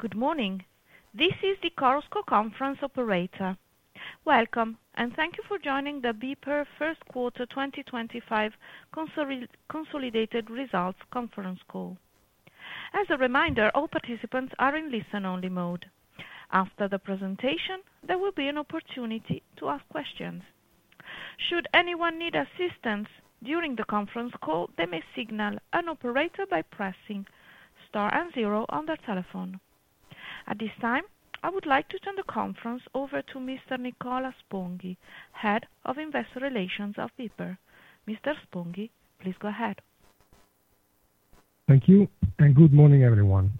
Good morning. This is the chorus call Conference Operator. Welcome, and thank you for joining the BPER First Quarter 2025 Consolidated Results Conference Call. As a reminder, all participants are in listen-only mode. After the presentation, there will be an opportunity to ask questions. Should anyone need assistance during the conference call, they may signal an operator by pressing star and zero on their telephone. At this time, I would like to turn the conference over to Mr. Nicola Sponghi, Head of Investor Relations of BPER. Mr. Sponghi, please go ahead. Thank you, and good morning, everyone.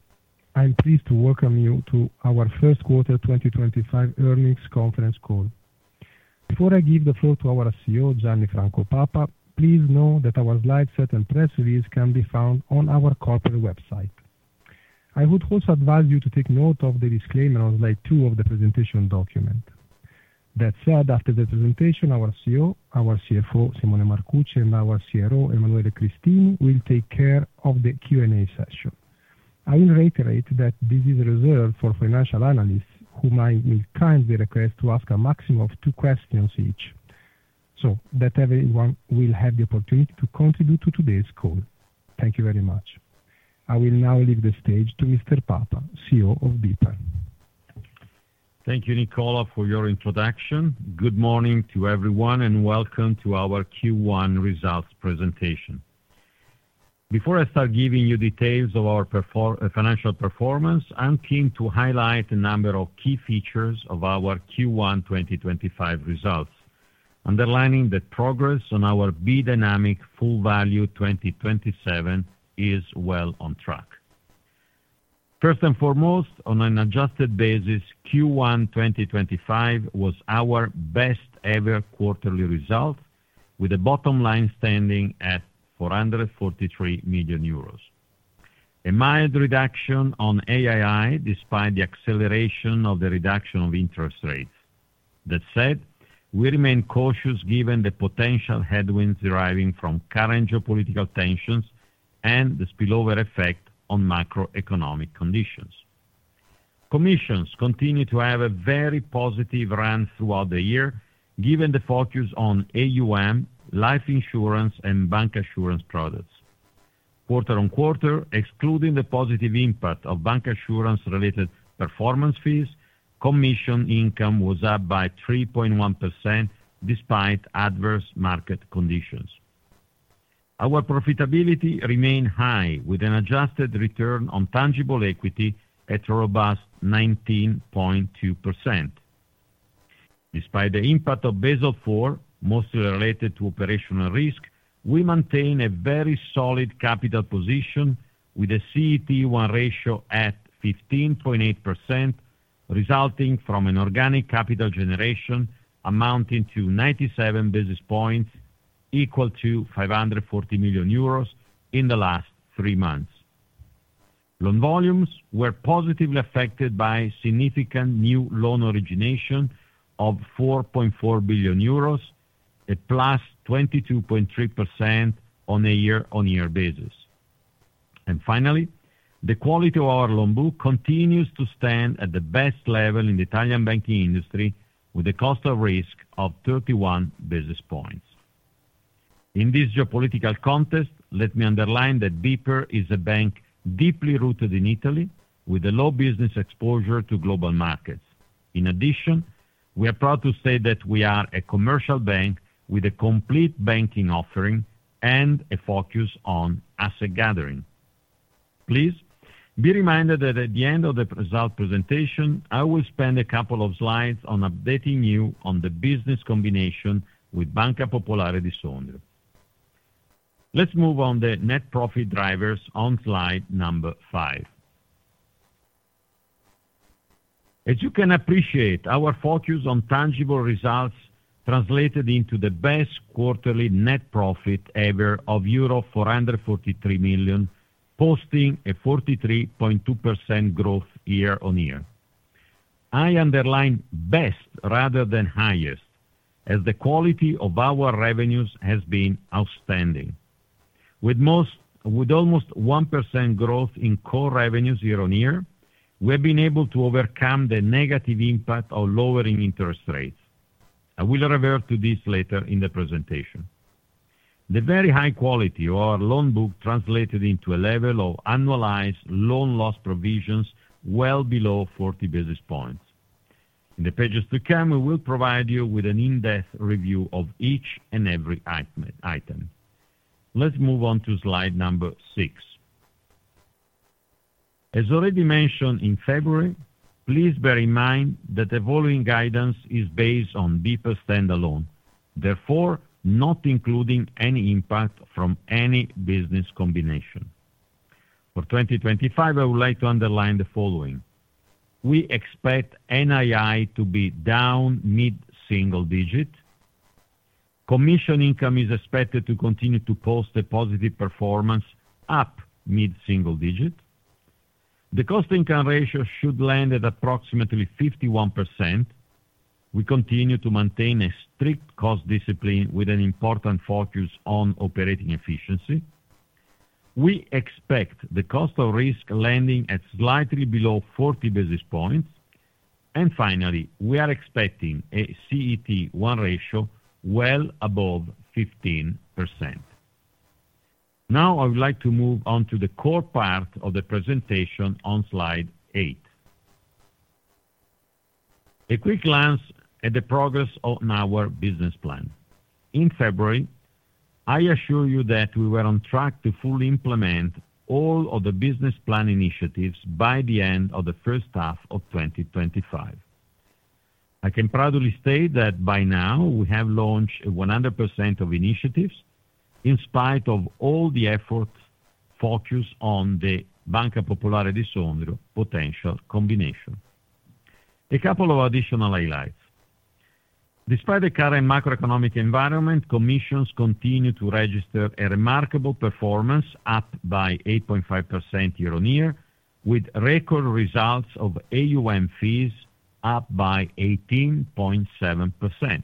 I'm pleased to welcome you to our First Quarter 2025 Earnings Conference Call. Before I give the floor to our CEO, Gianni Franco Papa, please know that our slideset and press release can be found on our corporate website. I would also advise you to take note of the disclaimer on slide two of the presentation document. That said, after the presentation, our CEO, our CFO, Simone Marcucci, and our CRO, Emanuele Cristini, will take care of the Q&A session. I will reiterate that this is reserved for financial analysts whom I will kindly request to ask a maximum of two questions each, so that everyone will have the opportunity to contribute to today's call. Thank you very much. I will now leave the stage to Mr. Papa, CEO of BPER. Thank you, Nicola, for your introduction. Good morning to everyone, and welcome to our Q1 results presentation. Before I start giving you details of our financial performance, I'm keen to highlight a number of key features of our Q1 2025 results, underlining that progress on our B-dynamic full value 2027 is well on track. First and foremost, on an adjusted basis, Q1 2025 was our best-ever quarterly result, with the bottom line standing at 443 million euros. A mild reduction on NII, despite the acceleration of the reduction of interest rates. That said, we remain cautious given the potential headwinds deriving from current geopolitical tensions and the spillover effect on macroeconomic conditions. Commissions continue to have a very positive run throughout the year, given the focus on AUM, life insurance, and bancassurance products. Quarter on quarter, excluding the positive impact of bank assurance-related performance fees, commission income was up by 3.1% despite adverse market conditions. Our profitability remained high, with an adjusted return on tangible equity at a robust 19.2%. Despite the impact of Basel IV, mostly related to operational risk, we maintain a very solid capital position with a CET1 ratio at 15.8%, resulting from an organic capital generation amounting to 97 basis points, equal to 540 million euros in the last three months. Loan volumes were positively affected by significant new loan origination of 4.4 billion euros, a +22.3% on a year-on-year basis. Finally, the quality of our loan book continues to stand at the best level in the Italian banking industry, with a cost of risk of 31 basis points. In this geopolitical context, let me underline that BPER is a bank deeply rooted in Italy, with a low business exposure to global markets. In addition, we are proud to say that we are a commercial bank with a complete banking offering and a focus on asset gathering. Please be reminded that at the end of the result presentation, I will spend a couple of slides on updating you on the business combination with Banca Popolare di Sondrio. Let's move on to the net profit drivers on slide number five. As you can appreciate, our focus on tangible results translated into the best quarterly net profit ever of euro 443 million, posting a 43.2% growth year-on-year. I underline best rather than highest, as the quality of our revenues has been outstanding. With almost 1% growth in core revenues year-on-year, we have been able to overcome the negative impact of lowering interest rates. I will revert to this later in the presentation. The very high quality of our loan book translated into a level of annualized loan loss provisions well below 40 basis points. In the pages to come, we will provide you with an in-depth review of each and every item. Let's move on to slide number six. As already mentioned in February, please bear in mind that evolving guidance is based on BPER standalone, therefore not including any impact from any business combination. For 2025, I would like to underline the following: we expect NII to be down mid-single digit, commission income is expected to continue to post a positive performance, up mid-single digit, the cost-to-income ratio should land at approximately 51%. We continue to maintain a strict cost discipline with an important focus on operating efficiency. We expect the cost of risk landing at slightly below 40 basis points. Finally, we are expecting a CET1 ratio well above 15%. Now, I would like to move on to the core part of the presentation on slide eight. A quick glance at the progress on our business plan. In February, I assure you that we were on track to fully implement all of the business plan initiatives by the end of the first half of 2025. I can proudly state that by now, we have launched 100% of initiatives in spite of all the efforts focused on the Banca Popolare di Sondrio potential combination. A couple of additional highlights. Despite the current macroeconomic environment, commissions continue to register a remarkable performance, up by 8.5% year-on-year, with record results of AUM fees up by 18.7%.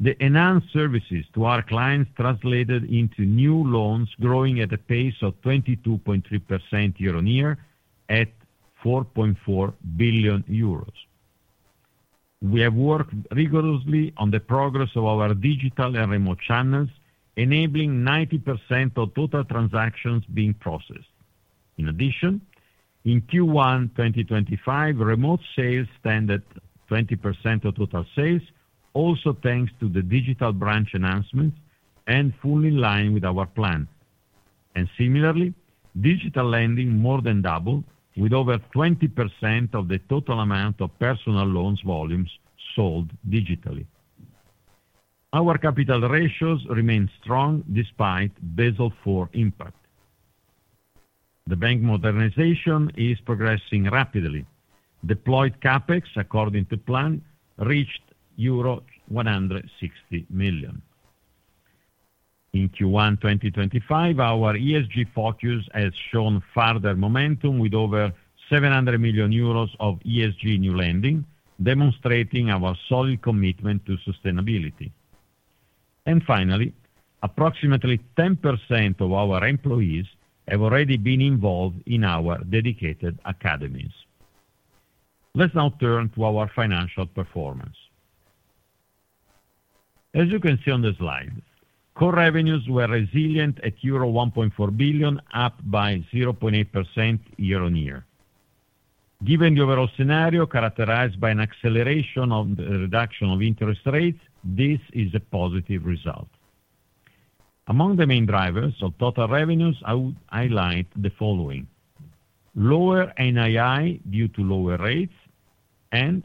The enhanced services to our clients translated into new loans growing at a pace of 22.3% year-on-year at 4.4 billion euros. We have worked rigorously on the progress of our digital and remote channels, enabling 90% of total transactions being processed. In addition, in Q1 2025, remote sales stand at 20% of total sales, also thanks to the digital branch announcements and fully in line with our plan. Similarly, digital lending more than doubled, with over 20% of the total amount of personal loans volumes sold digitally. Our capital ratios remain strong despite Basel IV impact. The bank modernization is progressing rapidly. Deployed CapEx, according to plan, reached euro 160 million. In Q1 2025, our ESG focus has shown further momentum with over 700 million euros of ESG new lending, demonstrating our solid commitment to sustainability. Finally, approximately 10% of our employees have already been involved in our dedicated academies. Let's now turn to our financial performance. As you can see on the slide, core revenues were resilient at euro 1.4 billion, up by 0.8% year-on-year. Given the overall scenario characterized by an acceleration of the reduction of interest rates, this is a positive result. Among the main drivers of total revenues, I would highlight the following: lower NII due to lower rates, and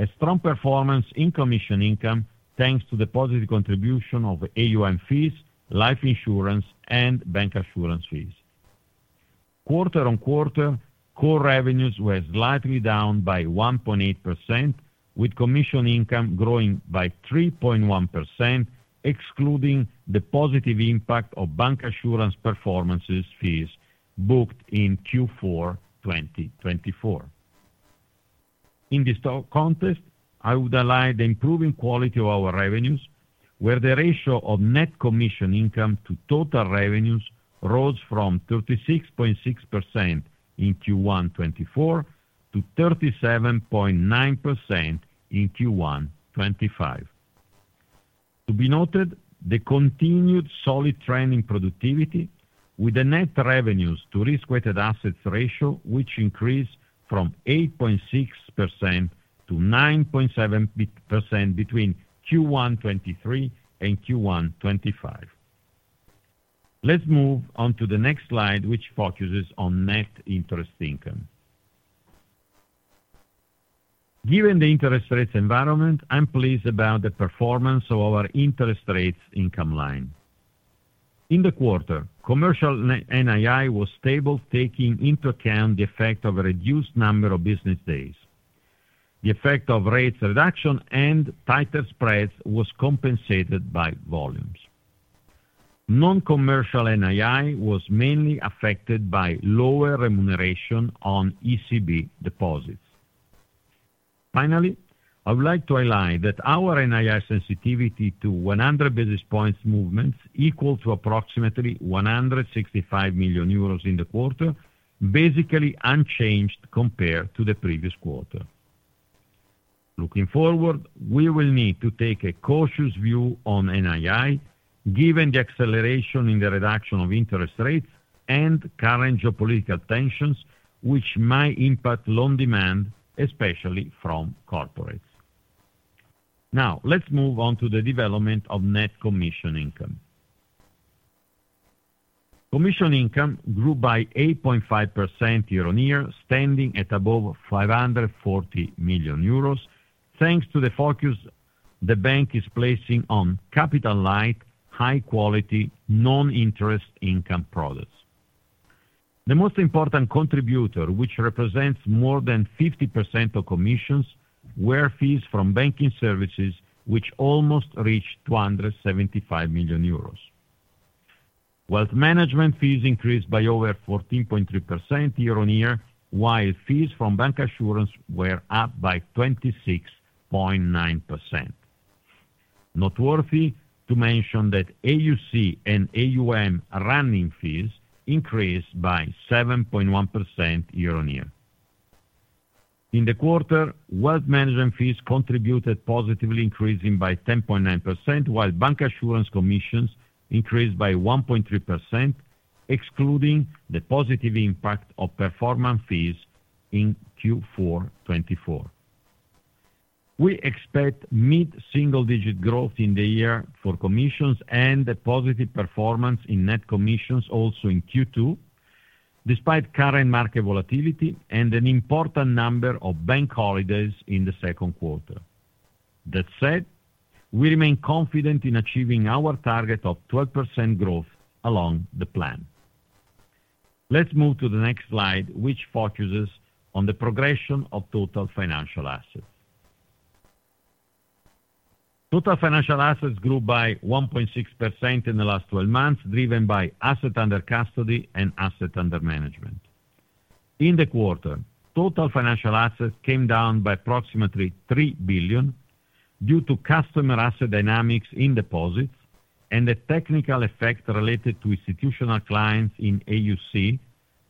a strong performance in commission income thanks to the positive contribution of AUM fees, life insurance, and bancassurance fees. Quarter on quarter, core revenues were slightly down by 1.8%, with commission income growing by 3.1%, excluding the positive impact of bancassurance performance fees booked in Q4 2024. In this context, I would highlight the improving quality of our revenues, where the ratio of net commission income to total revenues rose from 36.6% in Q1 2024 to 37.9% in Q1 2025. To be noted, the continued solid trend in productivity, with the net revenues to risk-weighted assets ratio, which increased from 8.6% to 9.7% between Q1 2023 and Q1 2025. Let's move on to the next slide, which focuses on net interest income. Given the interest rates environment, I'm pleased about the performance of our net interest income line. In the quarter, commercial NII was stable, taking into account the effect of a reduced number of business days. The effect of rates reduction and tighter spreads was compensated by volumes. Non-commercial NII was mainly affected by lower remuneration on ECB deposits. Finally, I would like to highlight that our NII sensitivity to 100 basis points movements equaled to approximately 165 million euros in the quarter, basically unchanged compared to the previous quarter. Looking forward, we will need to take a cautious view on NII, given the acceleration in the reduction of interest rates and current geopolitical tensions, which might impact loan demand, especially from corporates. Now, let's move on to the development of net commission income. Commission income grew by 8.5% year-on-year, standing at above 540 million euros, thanks to the focus the bank is placing on capital-light, high-quality, non-interest income products. The most important contributor, which represents more than 50% of commissions, were fees from banking services, which almost reached 275 million euros. Wealth management fees increased by over 14.3% year-on-year, while fees from bank assurance were up by 26.9%. Noteworthy to mention that AUC and AUM running fees increased by 7.1% year-on-year. In the quarter, wealth management fees contributed, positively increasing by 10.9%, while bank assurance commissions increased by 1.2%, excluding the positive impact of performance fees in Q4 2024. We expect mid-single digit growth in the year for commissions and a positive performance in net commissions also in Q2, despite current market volatility and an important number of bank holidays in the second quarter. That said, we remain confident in achieving our target of 12% growth along the plan. Let's move to the next slide, which focuses on the progression of total financial assets. Total financial assets grew by 1.6% in the last 12 months, driven by asset under custody and asset under management. In the quarter, total financial assets came down by approximately 3 billion due to customer asset dynamics in deposits and the technical effect related to institutional clients in AUC,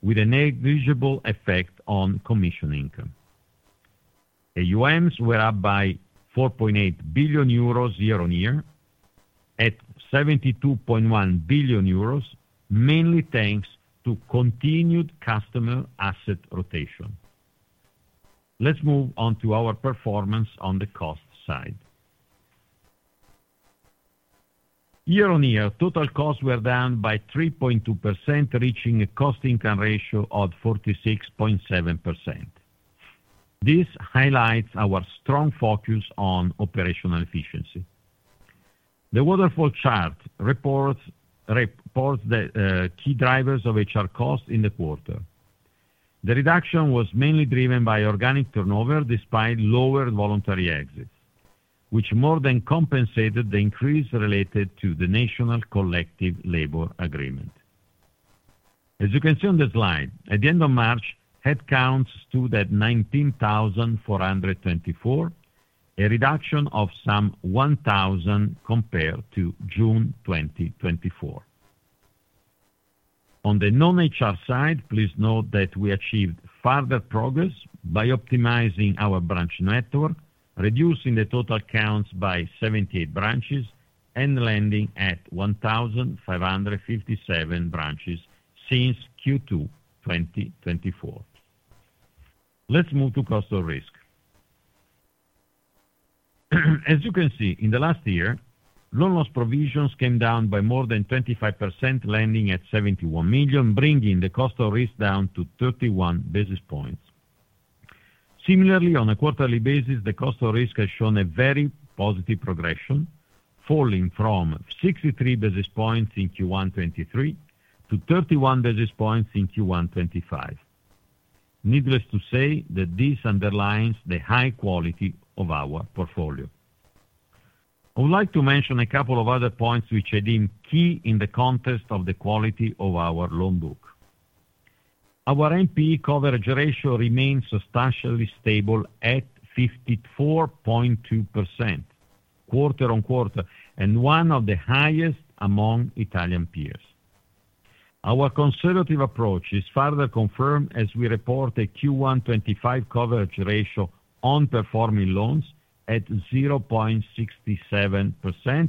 with a negligible effect on commission income. AUMs were up by 4.8 billion euros year-on-year at 72.1 billion euros, mainly thanks to continued customer asset rotation. Let's move on to our performance on the cost side. Year-on-year, total costs were down by 3.2%, reaching a cost-to-income ratio of 46.7%. This highlights our strong focus on operational efficiency. The waterfall chart reports the key drivers of HR costs in the quarter. The reduction was mainly driven by organic turnover despite lower voluntary exits, which more than compensated the increase related to the National Collective Labor Agreement. As you can see on the slide, at the end of March, headcounts stood at 19,424, a reduction of some 1,000 compared to June 2024. On the non-HR side, please note that we achieved further progress by optimizing our branch network, reducing the total count by 78 branches and landing at 1,557 branches since Q2 2024. Let's move to cost of risk. As you can see, in the last year, loan loss provisions came down by more than 25%, landing at 71 million, bringing the cost of risk down to 31 basis points. Similarly, on a quarterly basis, the cost of risk has shown a very positive progression, falling from 63 basis points in Q1 2023 to 31 basis points in Q1 2025. Needless to say that this underlines the high quality of our portfolio. I would like to mention a couple of other points which I deem key in the context of the quality of our loan book. Our NPE coverage ratio remains substantially stable at 54.2% quarter on quarter, and one of the highest among Italian peers. Our conservative approach is further confirmed as we report a Q1 2025 coverage ratio on performing loans at 0.67%,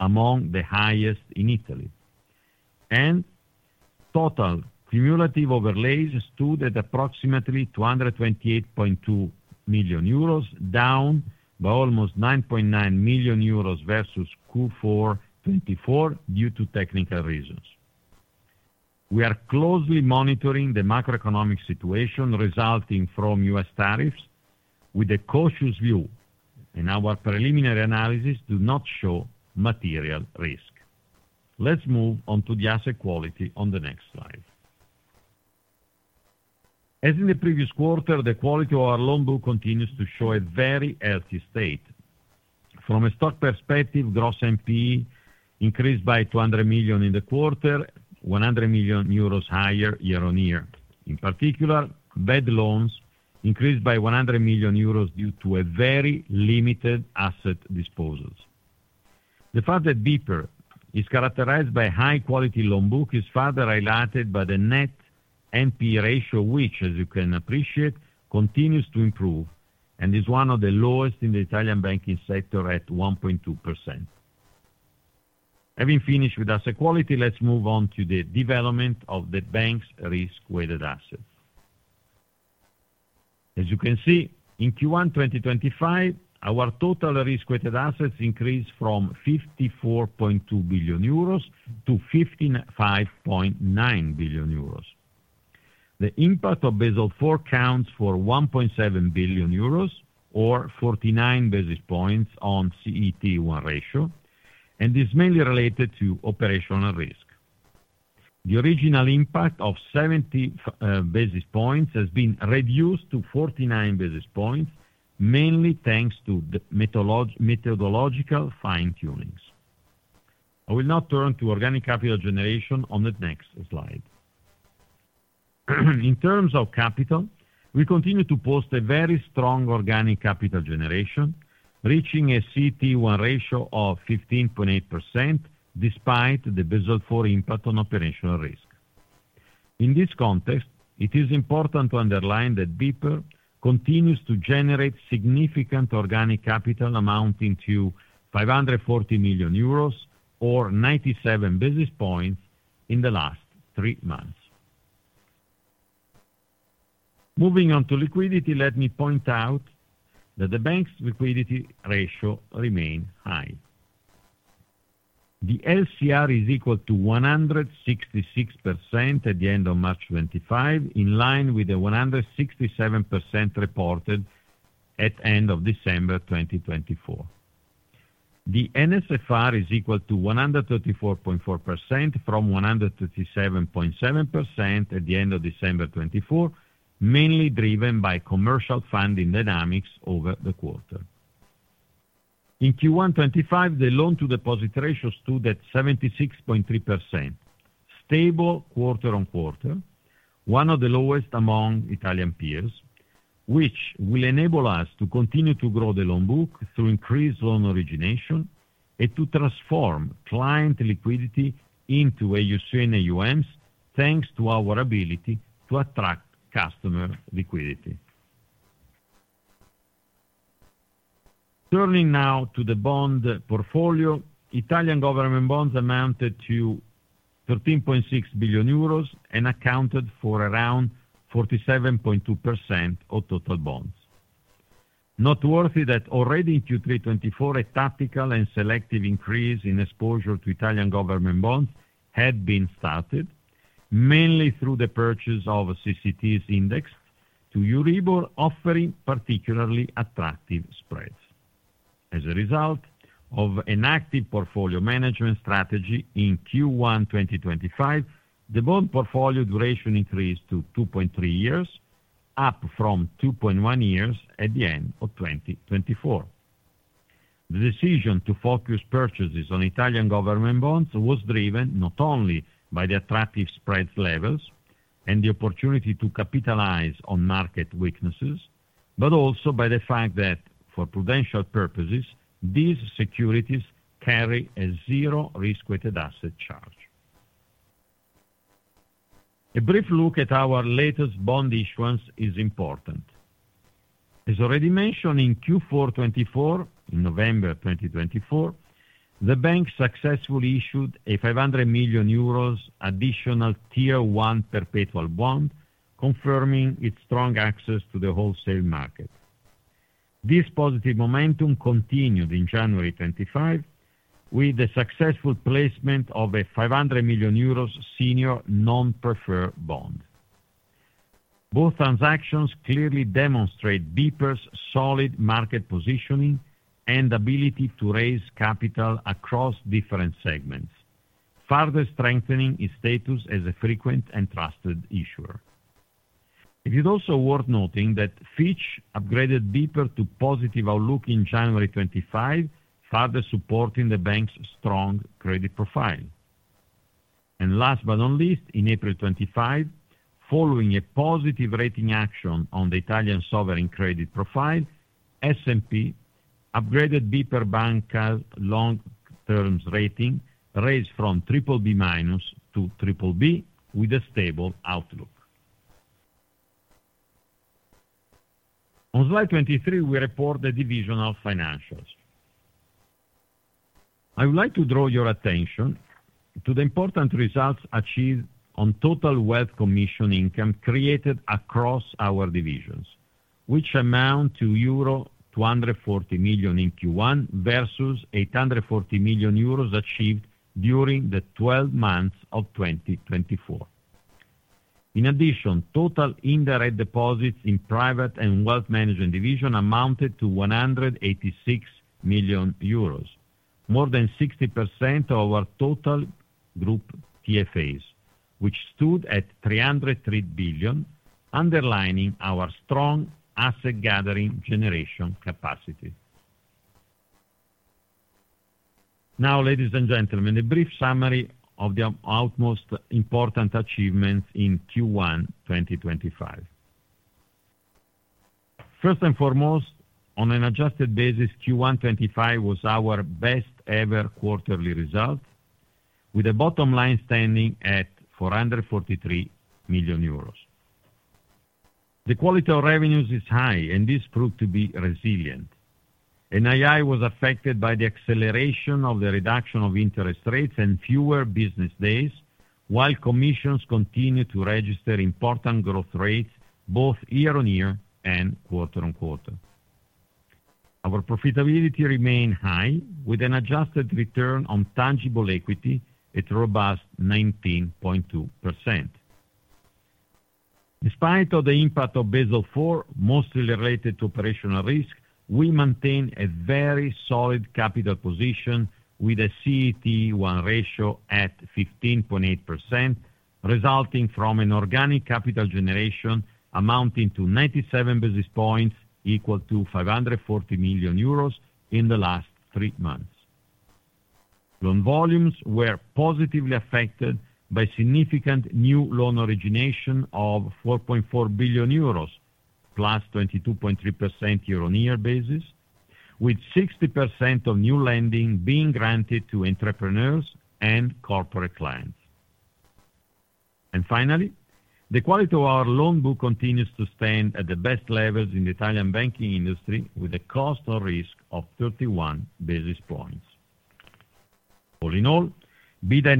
among the highest in Italy. Our total cumulative overlays stood at approximately 228.2 million euros, down by almost 9.9 million euros versus Q4 2024 due to technical reasons. We are closely monitoring the macroeconomic situation resulting from U.S. tariffs, with a cautious view, and our preliminary analysis does not show material risk. Let's move on to the asset quality on the next slide. As in the previous quarter, the quality of our loan book continues to show a very healthy state. From a stock perspective, gross NPE increased by 200 million in the quarter, 100 million euros higher year-on-year. In particular, bad loans increased by 100 million euros due to very limited asset disposals. The fact that BPER is characterized by a high-quality loan book is further highlighted by the net NPE ratio, which, as you can appreciate, continues to improve and is one of the lowest in the Italian banking sector at 1.2%. Having finished with asset quality, let's move on to the development of the bank's risk-weighted assets. As you can see, in Q1 2025, our total risk-weighted assets increased from 54.2 billion euros to 55.9 billion euros. The impact of Basel IV accounts for 1.7 billion euros, or 49 basis points on CET1 ratio, and is mainly related to operational risk. The original impact of 70 basis points has been reduced to 49 basis points, mainly thanks to methodological fine-tunings. I will now turn to organic capital generation on the next slide. In terms of capital, we continue to post a very strong organic capital generation, reaching a CET1 ratio of 15.8% despite the Basel IV impact on operational risk. In this context, it is important to underline that BPER continues to generate significant organic capital amounting to 540 million euros, or 97 basis points, in the last three months. Moving on to liquidity, let me point out that the bank's liquidity ratio remains high. The LCR is equal to 166% at the end of March 2025, in line with the 167% reported at the end of December 2024. The NSFR is equal to 134.4% from 137.7% at the end of December 2024, mainly driven by commercial funding dynamics over the quarter. In Q1 2025, the loan-to-deposit ratio stood at 76.3%, stable quarter on quarter, one of the lowest among Italian peers, which will enable us to continue to grow the loan book through increased loan origination and to transform client liquidity into AUC and AUMs thanks to our ability to attract customer liquidity. Turning now to the bond portfolio, Italian government bonds amounted to 13.6 billion euros and accounted for around 47.2% of total bonds. Noteworthy that already in Q3 2024, a tactical and selective increase in exposure to Italian government bonds had been started, mainly through the purchase of CCTs indexed to Euribor, offering particularly attractive spreads. As a result of an active portfolio management strategy in Q1 2025, the bond portfolio duration increased to 2.3 years, up from 2.1 years at the end of 2024. The decision to focus purchases on Italian government bonds was driven not only by the attractive spreads levels and the opportunity to capitalize on market weaknesses, but also by the fact that, for prudential purposes, these securities carry a zero risk-weighted asset charge. A brief look at our latest bond issuance is important. As already mentioned in Q4 2024, in November 2024, the bank successfully issued a 500 million euros additional Tier 1 perpetual bond, confirming its strong access to the wholesale market. This positive momentum continued in January 2025 with the successful placement of a 500 million euros senior non-preferred bond. Both transactions clearly demonstrate BPER's solid market positioning and ability to raise capital across different segments, further strengthening its status as a frequent and trusted issuer. It is also worth noting that Fitch upgraded BPER to positive outlook in January 2025, further supporting the bank's strong credit profile. Last but not least, in April 2025, following a positive rating action on the Italian sovereign credit profile, S&P upgraded BPER Banca's long-term rating, raised from BBB- to BBB, with a stable outlook. On slide 23, we report the divisional financials. I would like to draw your attention to the important results achieved on total wealth commission income created across our divisions, which amount to euro 240 million in Q1 versus 840 million euros achieved during the 12 months of 2024. In addition, total indirect deposits in private and wealth management division amounted to 186 million euros, more than 60% of our total group TFAs, which stood at 303 billion, underlining our strong asset gathering generation capacity. Now, ladies and gentlemen, a brief summary of the utmost important achievements in Q1 2025. First and foremost, on an adjusted basis, Q1 2025 was our best-ever quarterly result, with a bottom line standing at 443 million euros. The quality of revenues is high, and this proved to be resilient. NII was affected by the acceleration of the reduction of interest rates and fewer business days, while commissions continued to register important growth rates both year-on-year and quarter-on-quarter. Our profitability remained high, with an adjusted return on tangible equity at a robust 19.2%. Despite the impact of Basel IV, mostly related to operational risk, we maintained a very solid capital position with a CET1 ratio at 15.8%, resulting from an organic capital generation amounting to 97 basis points, equal to 540 million euros in the last three months. Loan volumes were positively affected by significant new loan origination of 4.4 billion euros, +22.3% year-on-year basis, with 60% of new lending being granted to entrepreneurs and corporate clients. Finally, the quality of our loan book continues to stand at the best levels in the Italian banking industry, with a cost of risk of 31 basis points. All in all, BD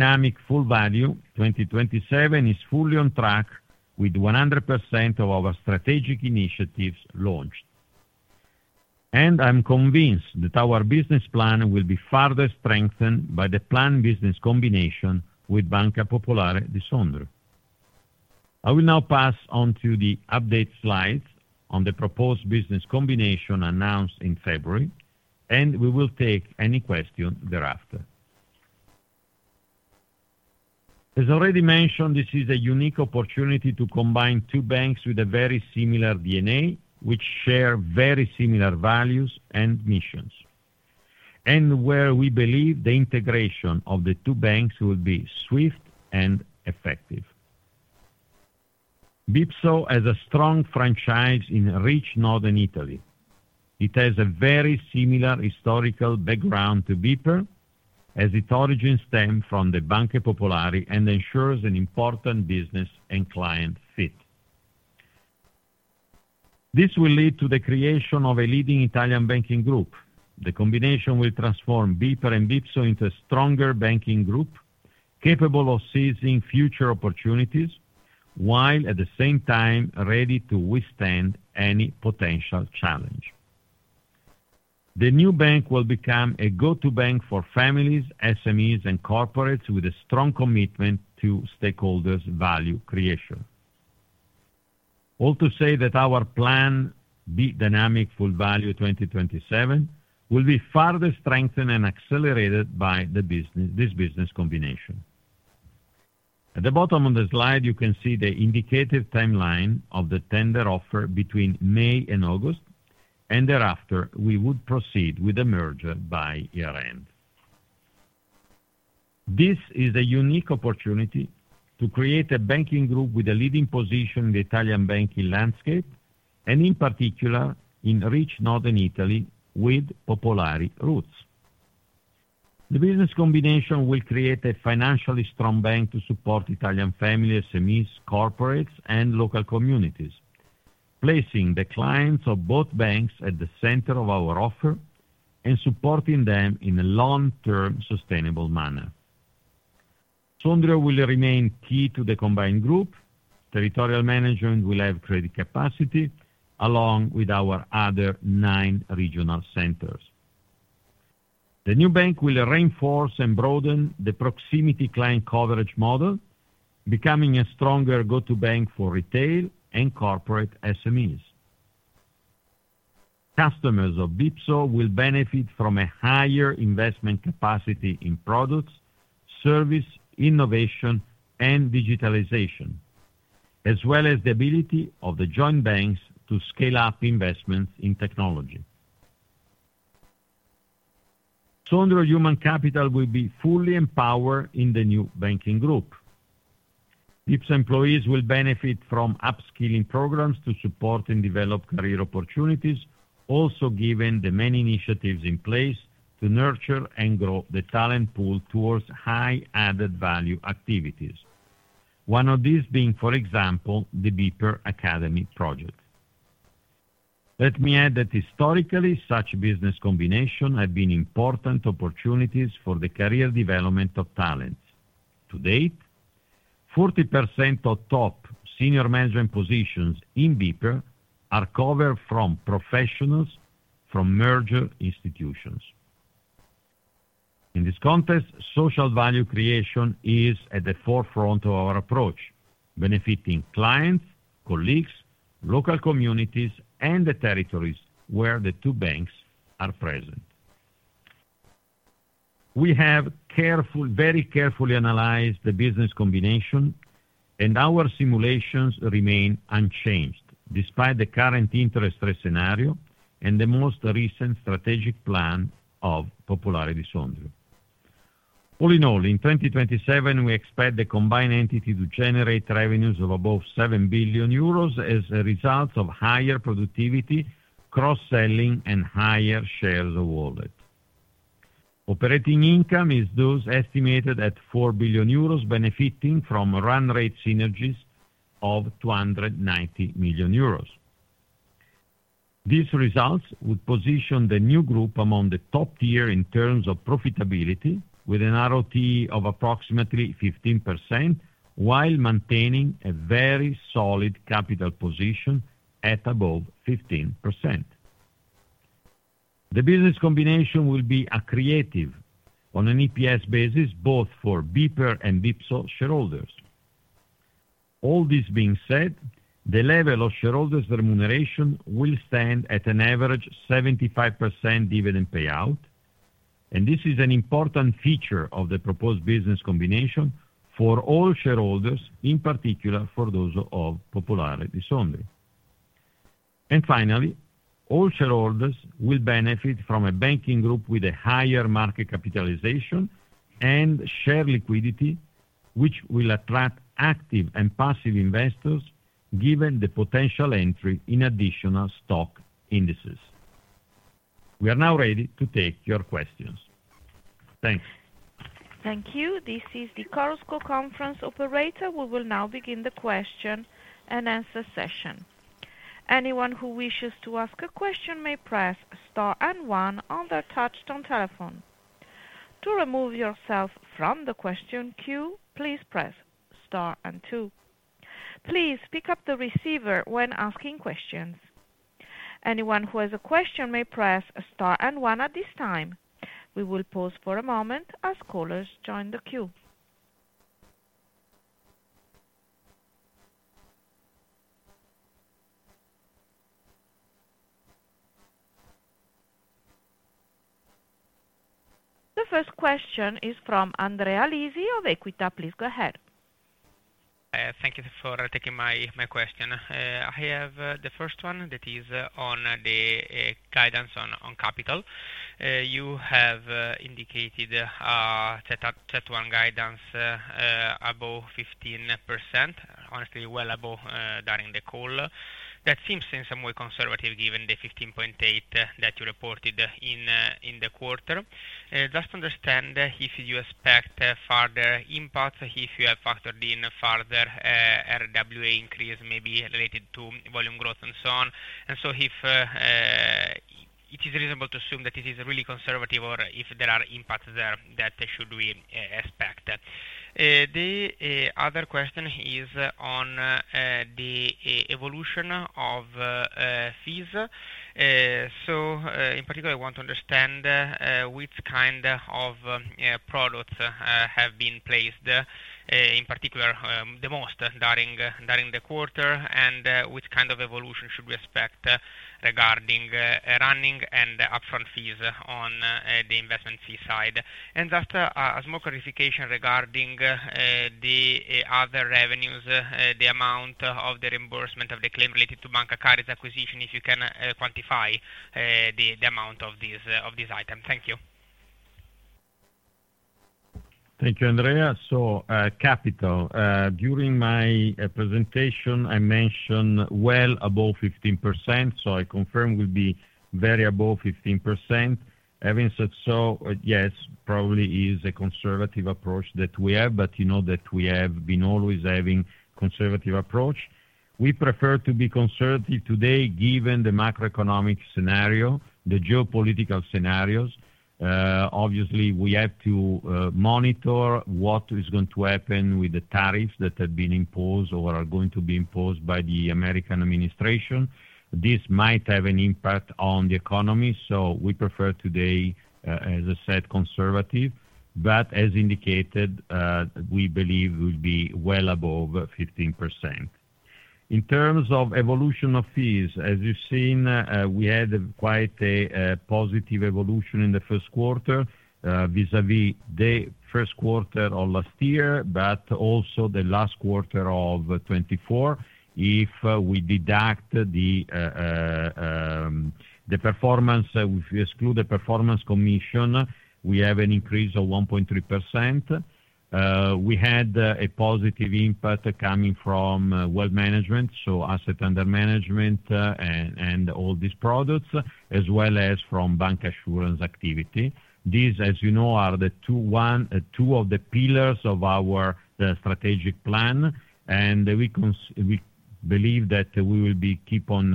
Full Value 2027 is fully on track with 100% of our strategic initiatives launched. I'm convinced that our business plan will be further strengthened by the planned business combination with Banca Popolare di Sondrio. I will now pass on to the update slides on the proposed business combination announced in February, and we will take any questions thereafter. As already mentioned, this is a unique opportunity to combine two banks with a very similar DNA, which share very similar values and missions, and where we believe the integration of the two banks will be swift and effective. BIPSO has a strong franchise in rich northern Italy. It has a very similar historical background to BPER, as its origins stem from the Banca Popolare and ensures an important business and client fit. This will lead to the creation of a leading Italian banking group. The combination will transform BPER and BIPSO into a stronger banking group capable of seizing future opportunities, while at the same time ready to withstand any potential challenge. The new bank will become a go-to bank for families, SMEs, and corporates, with a strong commitment to stakeholders' value creation. All to say that our plan B: D Full Value 2027, will be further strengthened and accelerated by this business combination. At the bottom of the slide, you can see the indicative timeline of the tender offer between May and August, and thereafter we would proceed with the merger by year-end. This is a unique opportunity to create a banking group with a leading position in the Italian banking landscape, and in particular in rich Northern Italy with Popolare roots. The business combination will create a financially strong bank to support Italian families, SMEs, corporates, and local communities, placing the clients of both banks at the center of our offer and supporting them in a long-term sustainable manner. Sondrio will remain key to the combined group. Territorial management will have credit capacity along with our other nine regional centers. The new bank will reinforce and broaden the proximity client coverage model, becoming a stronger go-to bank for retail and corporate SMEs. Customers of BIPSO will benefit from a higher investment capacity in products, service, innovation, and digitalization, as well as the ability of the joint banks to scale up investments in technology. Sondrio Human Capital will be fully empowered in the new banking group. BIPSO employees will benefit from upskilling programs to support and develop career opportunities, also given the many initiatives in place to nurture and grow the talent pool towards high-added value activities, one of these being, for example, the BPER Academy project. Let me add that historically, such business combinations have been important opportunities for the career development of talents. To date, 40% of top senior management positions in BPER are covered from professionals from merger institutions. In this context, social value creation is at the forefront of our approach, benefiting clients, colleagues, local communities, and the territories where the two banks are present. We have carefully, very carefully analyzed the business combination, and our simulations remain unchanged despite the current interest rate scenario and the most recent strategic plan of Popolare di Sondrio. All in all, in 2027, we expect the combined entity to generate revenues of above 7 billion euros as a result of higher productivity, cross-selling, and higher shares of wallet. Operating income is thus estimated at 4 billion euros, benefiting from run rate synergies of 290 million euros. These results would position the new group among the top tier in terms of profitability, with an ROT of approximately 15%, while maintaining a very solid capital position at above 15%. The business combination will be accretive on an EPS basis, both for BPER and BIPSO shareholders. All this being said, the level of shareholders' remuneration will stand at an average 75% dividend payout, and this is an important feature of the proposed business combination for all shareholders, in particular for those of Popolare di Sondrio. Finally, all shareholders will benefit from a banking group with a higher market capitalization and share liquidity, which will attract active and passive investors given the potential entry in additional stock indices. We are now ready to take your questions. Thanks. Thank you. This is the Carus Co Conference Operator. We will now begin the question and answer session. Anyone who wishes to ask a question may press Star and One on their touchstone telephone. To remove yourself from the question queue, please press Star and Two. Please pick up the receiver when asking questions. Anyone who has a question may press Star and One at this time. We will pause for a moment as callers join the queue. The first question is from Andrea Lisi of Equita. Please go ahead. Thank you for taking my question. I have the first one that is on the guidance on capital. You have indicated a CET1 guidance above 15%, honestly well above during the call. That seems in some way conservative given the 15.8% that you reported in the quarter. Just understand if you expect further impacts, if you have factored in further RWA increase, maybe related to volume growth and so on. If it is reasonable to assume that this is really conservative or if there are impacts there, that should we expect. The other question is on the evolution of fees. In particular, I want to understand which kind of products have been placed, in particular the most during the quarter, and which kind of evolution should we expect regarding running and upfront fees on the investment fee side. Just a small clarification regarding the other revenues, the amount of the reimbursement of the claim related to Banca Carige acquisition, if you can quantify the amount of this item. Thank you. Thank you, Andrea. Capital, during my presentation, I mentioned well above 15%. I confirm we'll be very above 15%. Having said so, yes, probably it is a conservative approach that we have, but you know that we have always had a conservative approach. We prefer to be conservative today given the macroeconomic scenario, the geopolitical scenarios. Obviously, we have to monitor what is going to happen with the tariffs that have been imposed or are going to be imposed by the American administration. This might have an impact on the economy. We prefer today, as I said, conservative, but as indicated, we believe we'll be well above 15%. In terms of evolution of fees, as you've seen, we had quite a positive evolution in the first quarter vis-à-vis the first quarter of last year, but also the last quarter of 2024. If we deduct the performance, if we exclude the performance commission, we have an increase of 1.3%. We had a positive impact coming from wealth management, so assets under management and all these products, as well as from bancassurance activity. These, as you know, are two of the pillars of our strategic plan, and we believe that we will keep on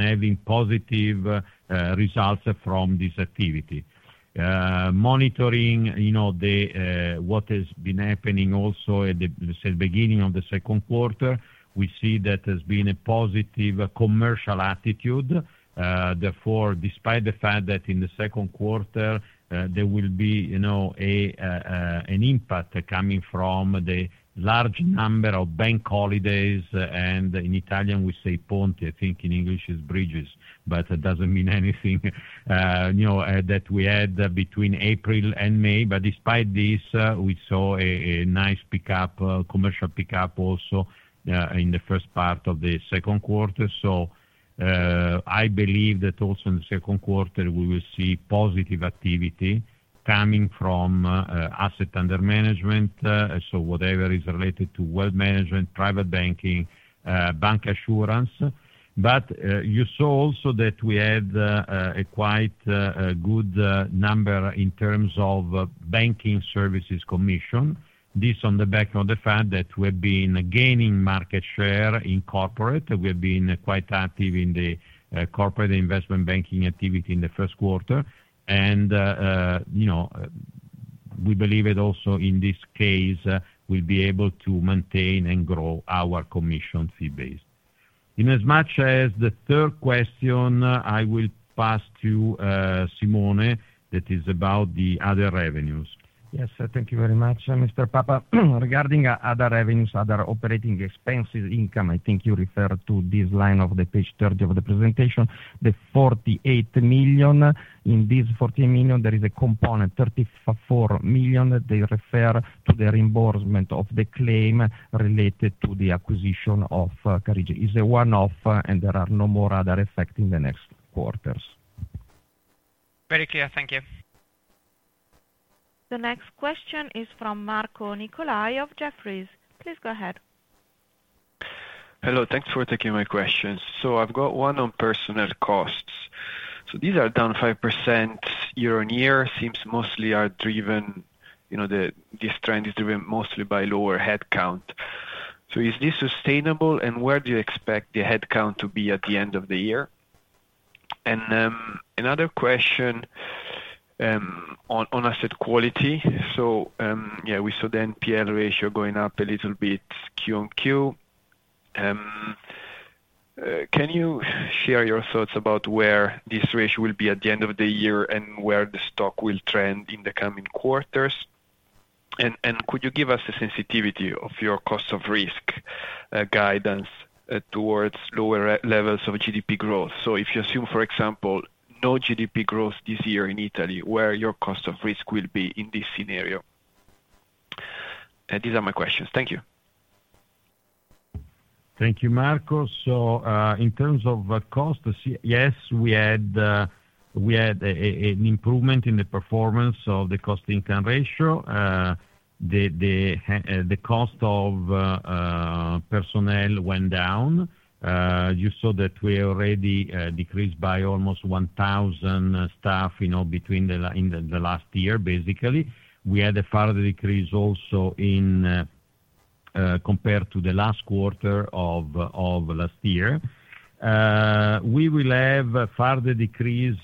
having positive results from this activity. Monitoring what has been happening also at the beginning of the second quarter, we see that there's been a positive commercial attitude. Therefore, despite the fact that in the second quarter, there will be an impact coming from the large number of bank holidays, and in Italian, we say ponte. I think in English it is bridges, but it does not mean anything that we had between April and May. Despite this, we saw a nice pickup, commercial pickup also in the first part of the second quarter. I believe that also in the second quarter, we will see positive activity coming from assets under management, so whatever is related to wealth management, private banking, bank assurance. You saw also that we had a quite good number in terms of banking services commission. This is on the back of the fact that we have been gaining market share in corporate. We have been quite active in the corporate investment banking activity in the first quarter, and we believe that also in this case, we'll be able to maintain and grow our commission fee base. In as much as the third question, I will pass to Simone that is about the other revenues. Yes, thank you very much, Mr. Papa. Regarding other revenues, other operating expenses income, I think you referred to this line of the page 30 of the presentation, the 48 million. In this 48 million, there is a component, 34 million, that they refer to the reimbursement of the claim related to the acquisition of Banca Carige. Is it one-off and there are no more other effects in the next quarters? Very clear. Thank you. The next question is from Marco Nicolai of Jefferies. Please go ahead. Hello. Thanks for taking my questions. I have one on personnel costs. These are down 5% year-on-year. It seems this trend is driven mostly by lower headcount. Is this sustainable, and where do you expect the headcount to be at the end of the year? Another question on asset quality. We saw the NPL ratio going up a little bit quarter on quarter. Can you share your thoughts about where this ratio will be at the end of the year and where the stock will trend in the coming quarters? Could you give us a sensitivity of your cost of risk guidance towards lower levels of GDP growth? If you assume, for example, no GDP growth this year in Italy, where will your cost of risk be in this scenario? These are my questions. Thank you. Thank you, Marco. In terms of cost, yes, we had an improvement in the performance of the cost-to-income ratio. The cost of personnel went down. You saw that we already decreased by almost 1,000 staff between the last year, basically. We had a further decrease also compared to the last quarter of last year. We will have a further decrease.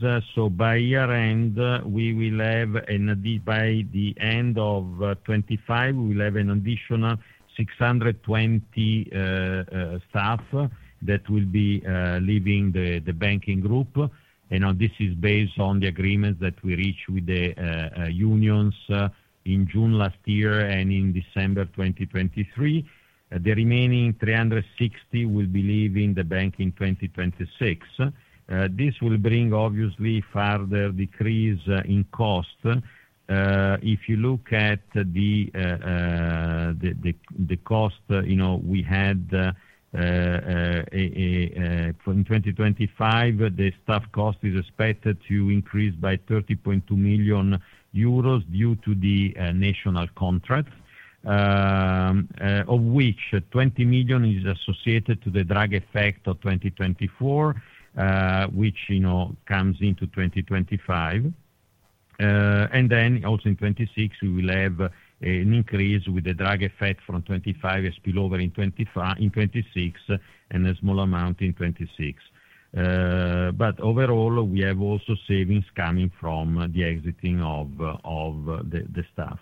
By year-end, we will have an additional. By the end of 2025, we will have an additional 620 staff that will be leaving the banking group. This is based on the agreements that we reached with the unions in June last year and in December 2023. The remaining 360 will be leaving the bank in 2026. This will bring, obviously, further decrease in cost. If you look at the cost we had in 2025, the staff cost is expected to increase by 30.2 million euros due to the national contracts, of which 20 million is associated to the drag effect of 2024, which comes into 2025. Also in 2026, we will have an increase with the drag effect from 2025 spillover in 2026 and a small amount in 2026. Overall, we have also savings coming from the exiting of the staff.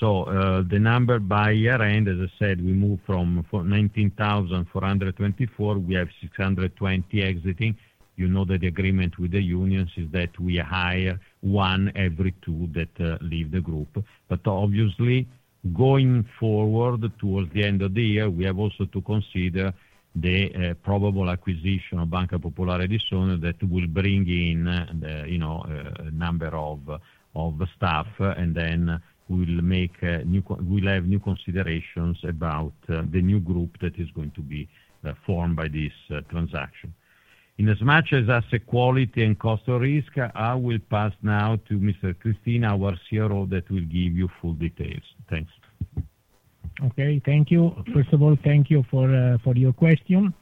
The number by year-end, as I said, we moved from 19,424, we have 620 exiting. You know that the agreement with the unions is that we hire one every two that leave the group. Obviously, going forward towards the end of the year, we have also to consider the probable acquisition of Banca Popolare di Sondrio that will bring in a number of staff, and then we'll have new considerations about the new group that is going to be formed by this transaction. In as much as asset quality and cost of risk, I will pass now to Mr. Cristini, our CRO, that will give you full details. Thanks. Okay. Thank you. First of all, thank you for your question.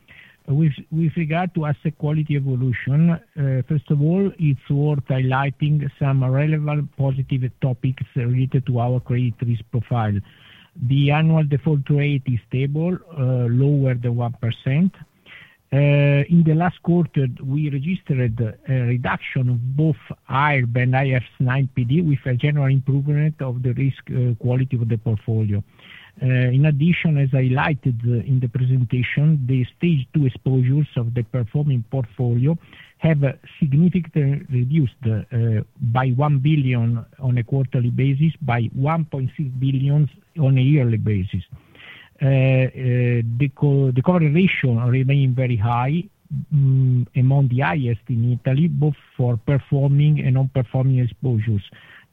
With regard to asset quality evolution, first of all, it's worth highlighting some relevant positive topics related to our credit risk profile. The annual default rate is stable, lower than 1%. In the last quarter, we registered a reduction of both IRB and IFRS 9 PD with a general improvement of the risk quality of the portfolio. In addition, as I highlighted in the presentation, the stage two exposures of the performing portfolio have significantly reduced by 1 billion on a quarterly basis, by 1.6 billion on a yearly basis. The coverage ratio remained very high, among the highest in Italy, both for performing and non-performing exposures.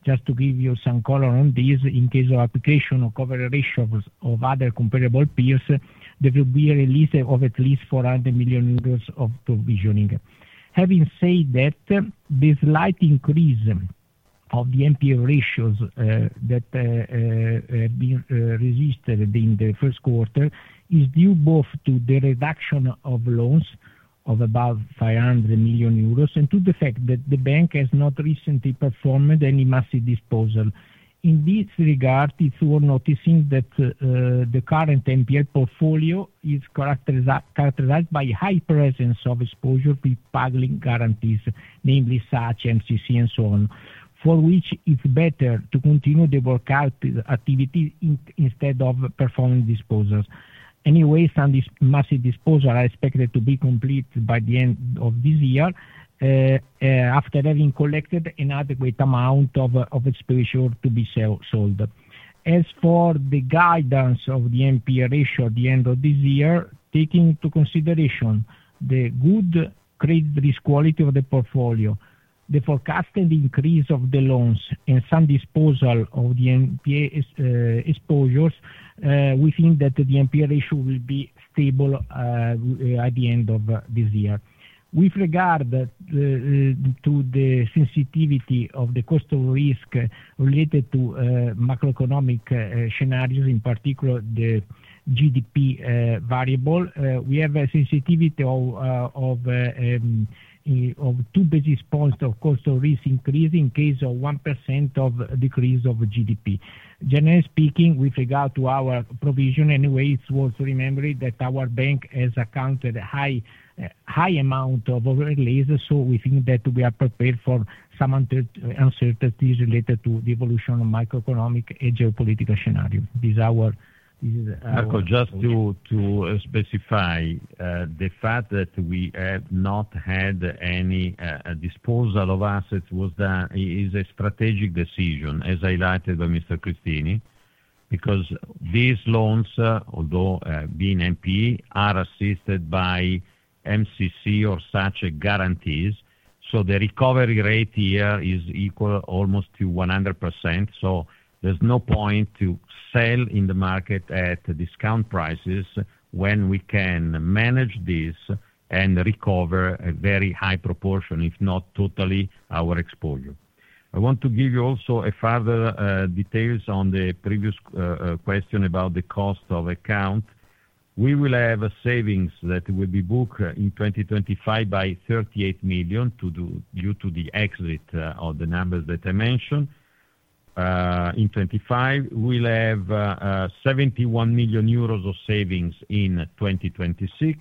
Just to give you some color on this, in case of application of coverage ratios of other comparable peers, there would be a release of at least 400 million euros of provisioning. Having said that, this slight increase of the NPL ratios that have been registered in the first quarter is due both to the reduction of loans of about 500 million euros and to the fact that the bank has not recently performed any massive disposal. In this regard, it's worth noticing that the current NPL portfolio is characterized by high presence of exposures with public guarantees, namely SACE, MCC, and so on, for which it's better to continue the workout activity instead of performing disposals. Anyway, some of these massive disposals are expected to be completed by the end of this year after having collected an adequate amount of exposures to be sold. As for the guidance of the NPL ratio at the end of this year, taking into consideration the good credit risk quality of the portfolio, the forecasted increase of the loans, and some disposal of the NPL exposures, we think that the NPL ratio will be stable at the end of this year. With regard to the sensitivity of the cost of risk related to macroeconomic scenarios, in particular the GDP variable, we have a sensitivity of two basis points of cost of risk increase in case of 1% of decrease of GDP. Generally speaking, with regard to our provision, anyway, it's worth remembering that our bank has accounted a high amount of overlays, so we think that we are prepared for some uncertainties related to the evolution of macroeconomic and geopolitical scenarios. This is our ... Marco just to specify, the fact that we have not had any disposal of assets is a strategic decision, as highlighted by Mr. Cristini, because these loans, although being NPE, are assisted by MCC or such guarantees. So the recovery rate here is equal almost to 100%. There is no point to sell in the market at discount prices when we can manage this and recover a very high proportion, if not totally, our exposure. I want to give you also further details on the previous question about the cost of account. We will have savings that will be booked in 2025 by 38 million due to the exit of the numbers that I mentioned. In 2025, we will have 71 million euros of savings in 2026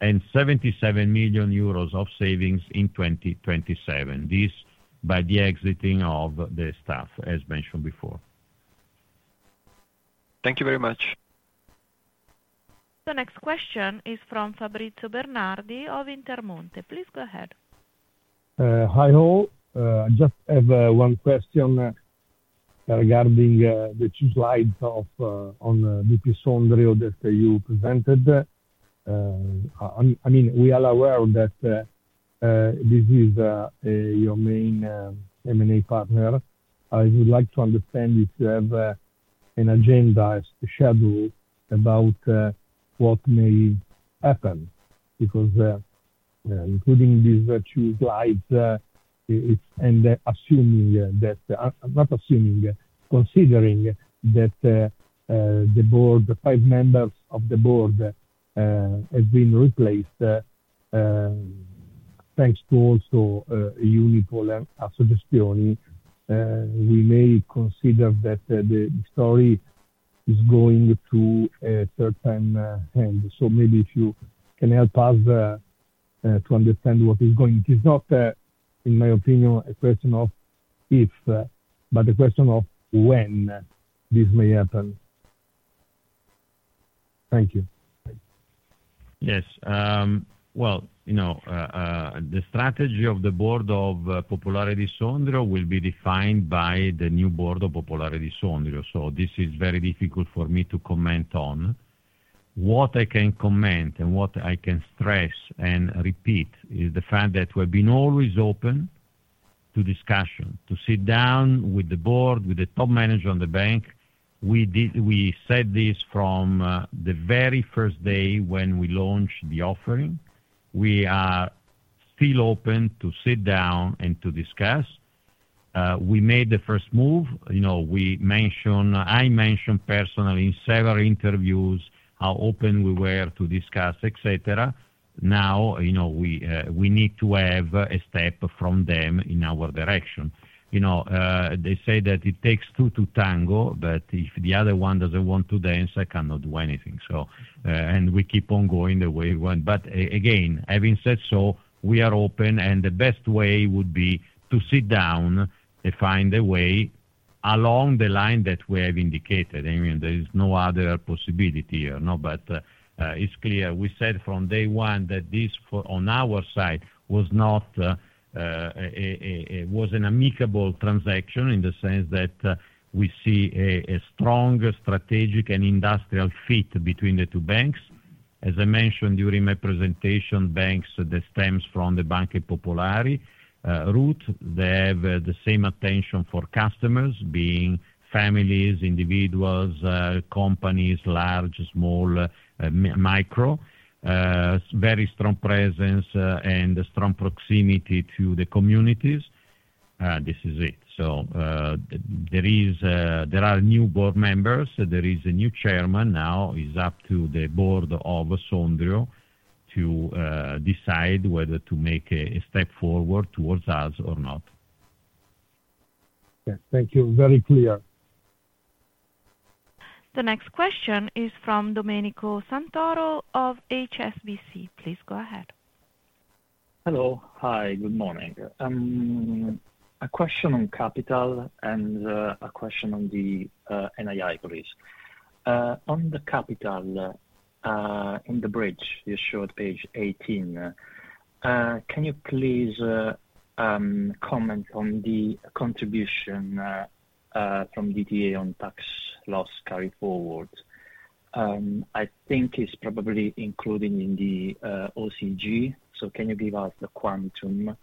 and 77 million euros of savings in 2027. This by the exiting of the staff, as mentioned before. Thank you very much. The next question is from Fabrizio Bernardi of Intermonte. Please go ahead. Hi all. I just have one question regarding the two slides on Sondrio that you presented. I mean, we are aware that this is your main M&A partner. I would like to understand if you have an agenda to share about what may happen because including these two slides and assuming that, not assuming, considering that the board, the five members of the board have been replaced, thanks to also Unipol Assicurazioni, we may consider that the story is going to a third time hand. Maybe if you can help us to understand what is going to, it's not, in my opinion, a question of if, but a question of when this may happen. Thank you. Yes. The strategy of the board of Popolare di Sondrio will be defined by the new Board of Popolare di Sondrio. This is very difficult for me to comment on. What I can comment and what I can stress and repeat is the fact that we have been always open to discussion, to sit down with the board, with the top manager on the bank. We said this from the very first day when we launched the offering. We are still open to sit down and to discuss. We made the first move. I mentioned personally in several interviews how open we were to discuss, etc. Now we need to have a step from them in our direction. They say that it takes two to tango, but if the other one does not want to dance, I cannot do anything. We keep on going the way we went. Again, having said so, we are open and the best way would be to sit down and find a way along the line that we have indicated. There is no other possibility here. It is clear we said from day one that this on our side was an amicable transaction in the sense that we see a strong strategic and industrial fit between the two banks. As I mentioned during my presentation, banks that stem from the Banca Popolare route, they have the same attention for customers being families, individuals, companies, large, small, micro, very strong presence and strong proximity to the communities. This is it. There are new board members. There is a new chairman now. It is up to the board of Sondrio to decide whether to make a step forward towards us or not. Yes. Thank you. Very clear. The next question is from Domenico Santoro of HSBC. Please go ahead. Hello. Hi. Good morning. A question on capital and a question on the NII, please. On the capital in the bridge, you showed page 18. Can you please comment on the contribution from DTA on tax loss carry forward? I think it's probably included in the OCG. So can you give us the quantum?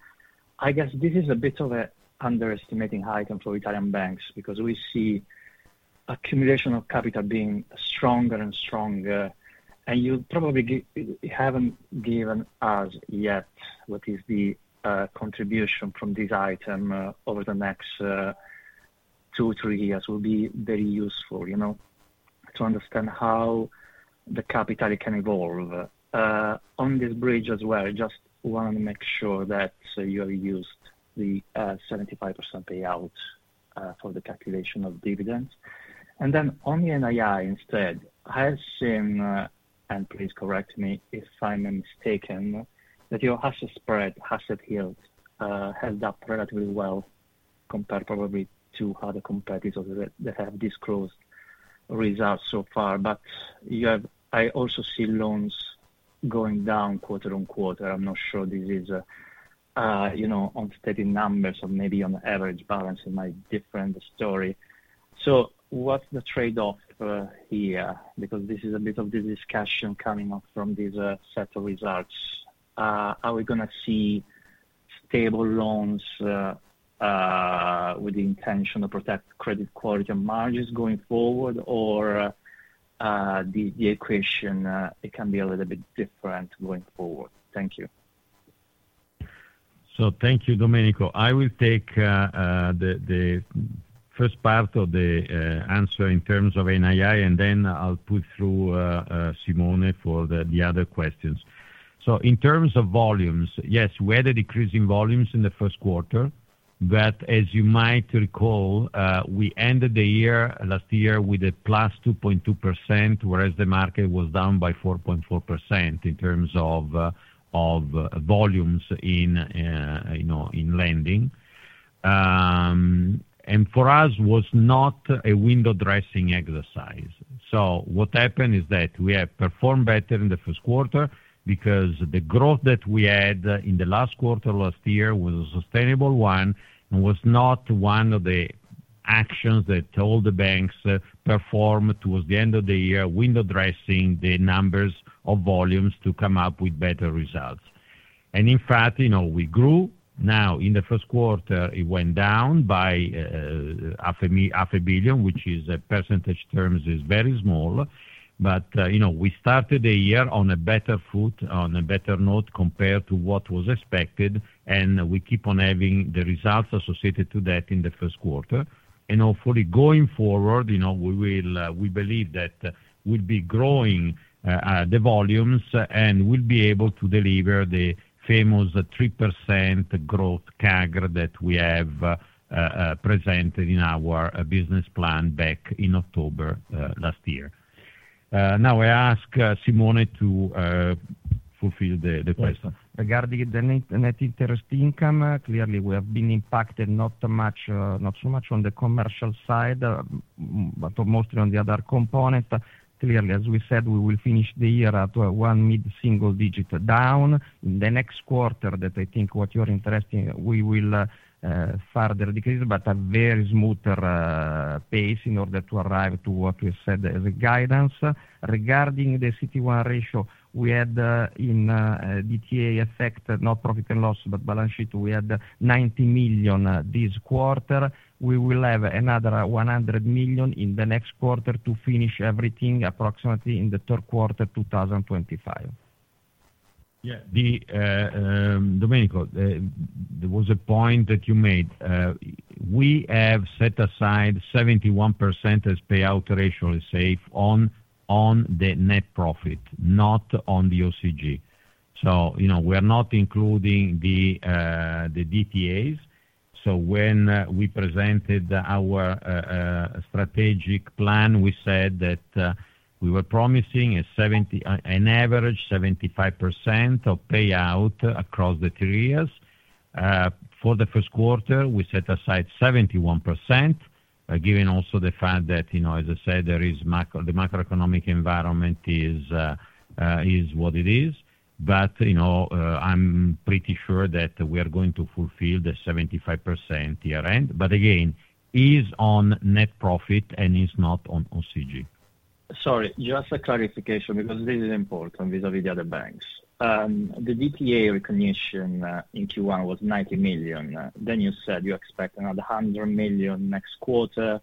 I guess this is a bit of an underestimating item for Italian banks because we see accumulation of capital being stronger and stronger. You probably haven't given us yet what is the contribution from this item over the next two, three years. It will be very useful to understand how the capital can evolve. On this bridge as well, just want to make sure that you have used the 75% payout for the calculation of dividends. On the NII instead, I have seen, and please correct me if I'm mistaken, that your asset spread, asset yield has dropped relatively well compared probably to other competitors that have disclosed results so far. I also see loans going down quarter on quarter. I'm not sure this is on steady numbers or maybe on average balance, it might be a different story. What is the trade-off here? This is a bit of the discussion coming up from this set of results. Are we going to see stable loans with the intention to protect credit quality and margins going forward, or can the equation be a little bit different going forward? Thank you. Thank you, Domenico. I will take the first part of the answer in terms of NII, and then I'll put through Simone for the other questions. In terms of volumes, yes, we had a decrease in volumes in the first quarter. As you might recall, we ended the year last year with a +2.2%, whereas the market was down by 4.4% in terms of volumes in lending. For us, it was not a window dressing exercise. What happened is that we have performed better in the first quarter because the growth that we had in the last quarter last year was a sustainable one and was not one of the actions that all the banks performed towards the end of the year, window dressing the numbers of volumes to come up with better results. In fact, we grew. In the first quarter, it went down by 0.5 billion, which in percentage terms is very small. We started the year on a better foot, on a better note compared to what was expected. We keep on having the results associated to that in the first quarter. Hopefully, going forward, we believe that we'll be growing the volumes and we'll be able to deliver the famous 3% growth CAGR that we have presented in our business plan back in October last year. Now, I ask Simone to fulfill the question. Regarding the net interest income, clearly, we have been impacted not so much on the commercial side, but mostly on the other components. Clearly, as we said, we will finish the year at one mid-single digit down. In the next quarter, that I think what you're interested in, we will further decrease, but at a very smoother pace in order to arrive to what we said as a guidance. Regarding the CET1 ratio, we had in DTA effect, not profit and loss, but balance sheet, we had 90 million this quarter. We will have another 100 million in the next quarter to finish everything approximately in the third quarter 2025. Yeah. Domenico, there was a point that you made. We have set aside 71% as payout ratio is safe on the net profit, not on the OCG. We are not including the DTAs. When we presented our strategic plan, we said that we were promising an average 75% of payout across the three years. For the first quarter, we set aside 71%, given also the fact that, as I said, the macroeconomic environment is what it is. I am pretty sure that we are going to fulfill the 75% year-end. Again, it is on net profit and it is not on OCG. Sorry, just a clarification because this is important vis-à-vis the other banks. The DTA recognition in Q1 was 90 million. Then you said you expect another 100 million next quarter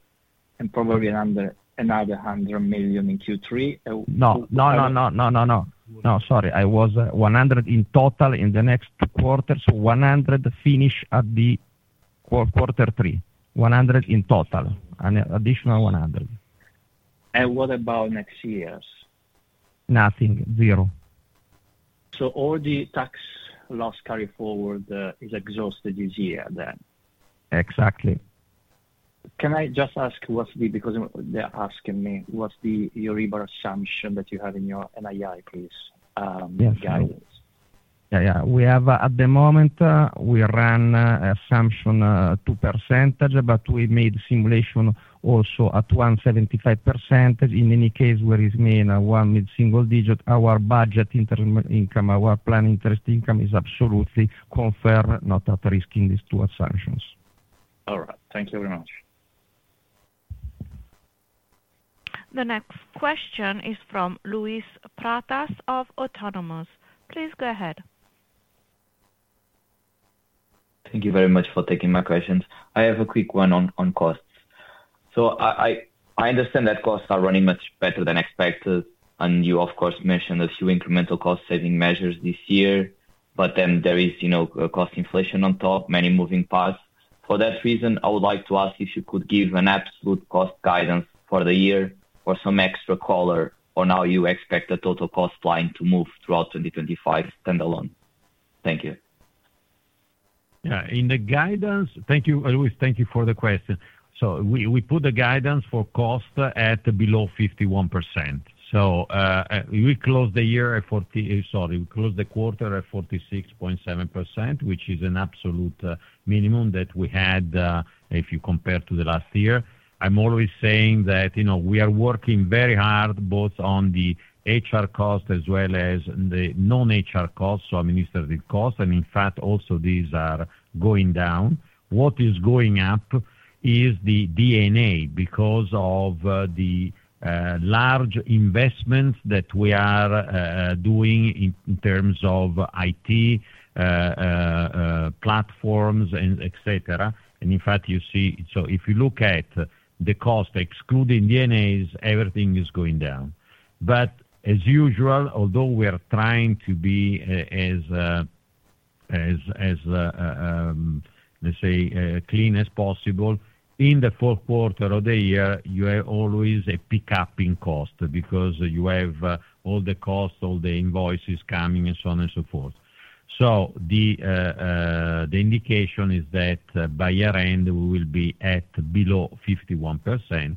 and probably another 100 million in Q3. No. Sorry. It was 100 million in total in the next two quarters, 100 million finished at quarter three, 100 million in total, and additional 100 million. And what about next year? Nothing. Zero. So all the tax loss carry forward is exhausted this year then? Exactly. Can I just ask what's the because they're asking me, what's the Euribor assumption that you have in your NII, please, guidance? Yeah, yeah. At the moment, we run assumption 2%, but we made simulation also at 1.75%. In any case, where it is mean one mid-single digit, our budget interest income, our plan interest income is absolutely confirmed, not at risk in these two assumptions. All right. Thank you very much. The next question is from Luís Pratas of Autonomous. Please go ahead. Thank you very much for taking my questions. I have a quick one on costs. I understand that costs are running much better than expected. You, of course, mentioned a few incremental cost-saving measures this year. There is cost inflation on top, many moving parts. For that reason, I would like to ask if you could give an absolute cost guidance for the year or some extra color, or how you expect the total cost line to move throughout 2025 standalone. Thank you. Yeah. In the guidance, thank you, Luis. Thank you for the question. We put the guidance for cost at below 51%. We closed the year at 40, sorry, we closed the quarter at 46.7%, which is an absolute minimum that we had if you compare to last year. I'm always saying that we are working very hard both on the HR cost as well as the non-HR cost, so administrative cost. In fact, also these are going down. What is going up is the D&A because of the large investments that we are doing in terms of IT platforms and etc. In fact, you see, if you look at the cost excluding D&As, everything is going down. As usual, although we are trying to be as, let's say, clean as possible, in the fourth quarter of the year, you have always a pickup in cost because you have all the costs, all the invoices coming, and so on and so forth. The indication is that by year-end, we will be at below 51%.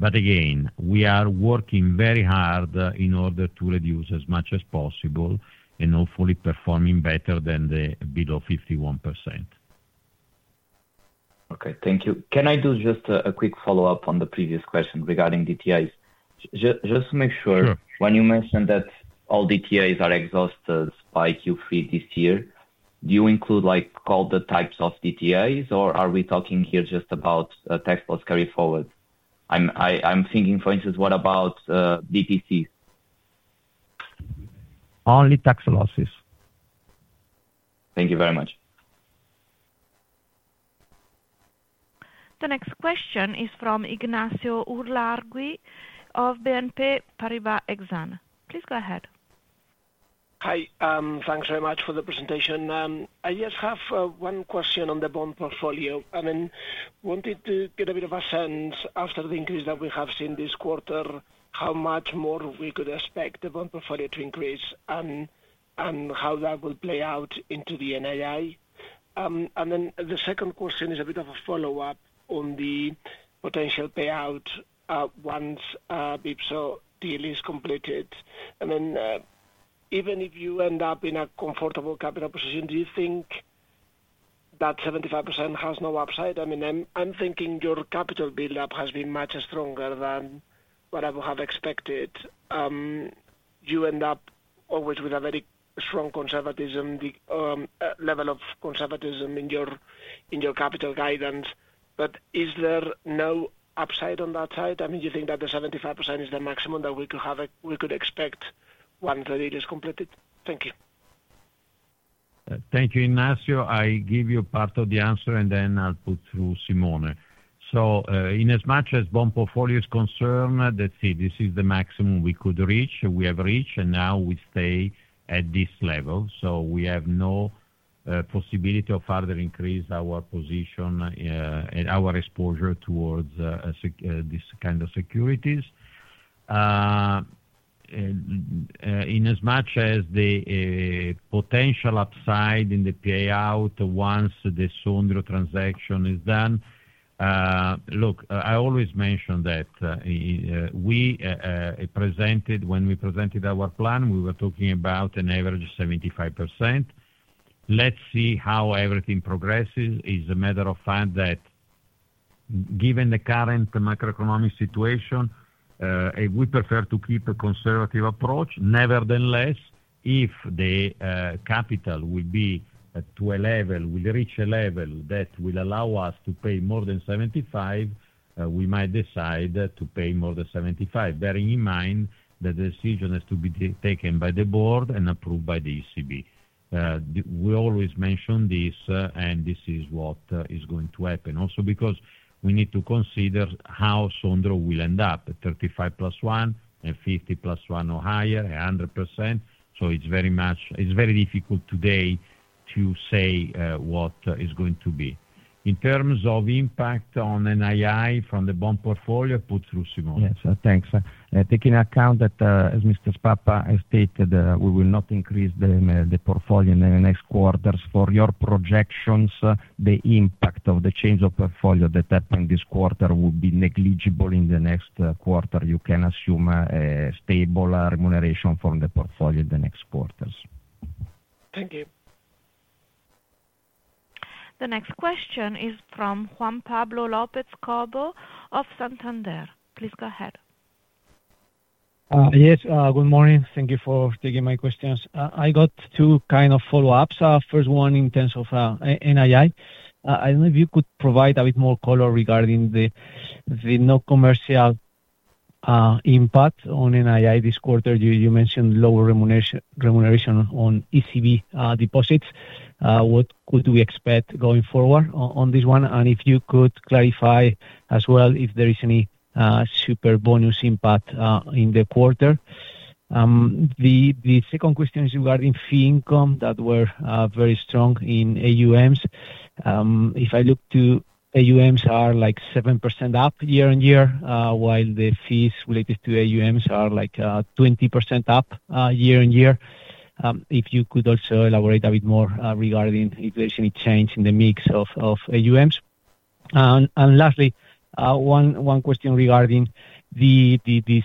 Again, we are working very hard in order to reduce as much as possible and hopefully performing better than below 51%. Okay. Thank you. Can I do just a quick follow-up on the previous question regarding DTAs? Just to make sure, when you mentioned that all DTAs are exhausted by Q3 this year, do you include all the types of DTAs, or are we talking here just about tax loss carry forward? I'm thinking, for instance, what about DTCs? Only tax losses. Thank you very much. The next question is from Ignacio Ulargui of BNP Paribas Exane. Please go ahead. Hi. Thanks very much for the presentation. I just have one question on the bond portfolio. I mean, wanted to get a bit of a sense after the increase that we have seen this quarter, how much more we could expect the bond portfolio to increase and how that would play out into the NII. The second question is a bit of a follow-up on the potential payout once BIPSO deal is completed. I mean, even if you end up in a comfortable capital position, do you think that 75% has no upside? I mean, I'm thinking your capital buildup has been much stronger than what I would have expected. You end up always with a very strong conservatism, level of conservatism in your capital guidance. Is there no upside on that side? I mean, do you think that the 75% is the maximum that we could expect once the deal is completed? Thank you. Thank you, Ignacio. I give you part of the answer, and then I'll put through Simone. In as much as bond portfolio is concerned, let's see, this is the maximum we could reach, we have reached, and now we stay at this level. We have no possibility of further increasing our position, our exposure towards this kind of securities. In as much as the potential upside in the payout once the Sondrio transaction is done, look, I always mention that when we presented our plan, we were talking about an average 75%. Let's see how everything progresses. It is a matter of fact that given the current macroeconomic situation, we prefer to keep a conservative approach. Nevertheless, if the capital will be to a level, will reach a level that will allow us to pay more than 75, we might decide to pay more than 75, bearing in mind that the decision has to be taken by the board and approved by the ECB. We always mention this, and this is what is going to happen. Also because we need to consider how Sondrio will end up, 35+1 and 50+1 or higher, 100%. It is very difficult today to say what is going to be. In terms of impact on NII from the bond portfolio, put through Simone. Yes. Thanks. Taking account that, as Mr. Papa stated, we will not increase the portfolio in the next quarters. For your projections, the impact of the change of portfolio that happened this quarter will be negligible in the next quarter. You can assume a stable remuneration from the portfolio in the next quarters. Thank you. The next question is from Juan Pablo Lopez-Cobo of Santander. Please go ahead. Yes. Good morning. Thank you for taking my questions. I got two kind of follow-ups. First one, in terms of NII, I do not know if you could provide a bit more color regarding the non-commercial impact on NII this quarter. You mentioned lower remuneration on ECB deposits. What could we expect going forward on this one? If you could clarify as well if there is any super bonus impact in the quarter. The second question is regarding fee income that were very strong in AUMs. If I look to AUMs are like 7% up year-on-year, while the fees related to AUMs are like 20% up year-on-year. If you could also elaborate a bit more regarding if there's any change in the mix of AUMs. And lastly, one question regarding the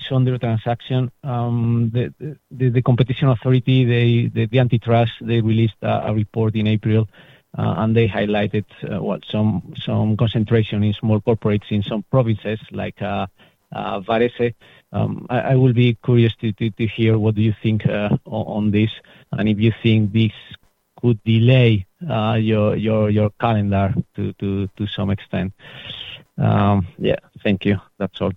Sondrio transaction, the competition authority, the antitrust, they released a report in April, and they highlighted some concentration in small corporates in some provinces like Varese. I will be curious to hear what do you think on this and if you think this could delay your calendar to some extent. Yeah. Thank you. That's all.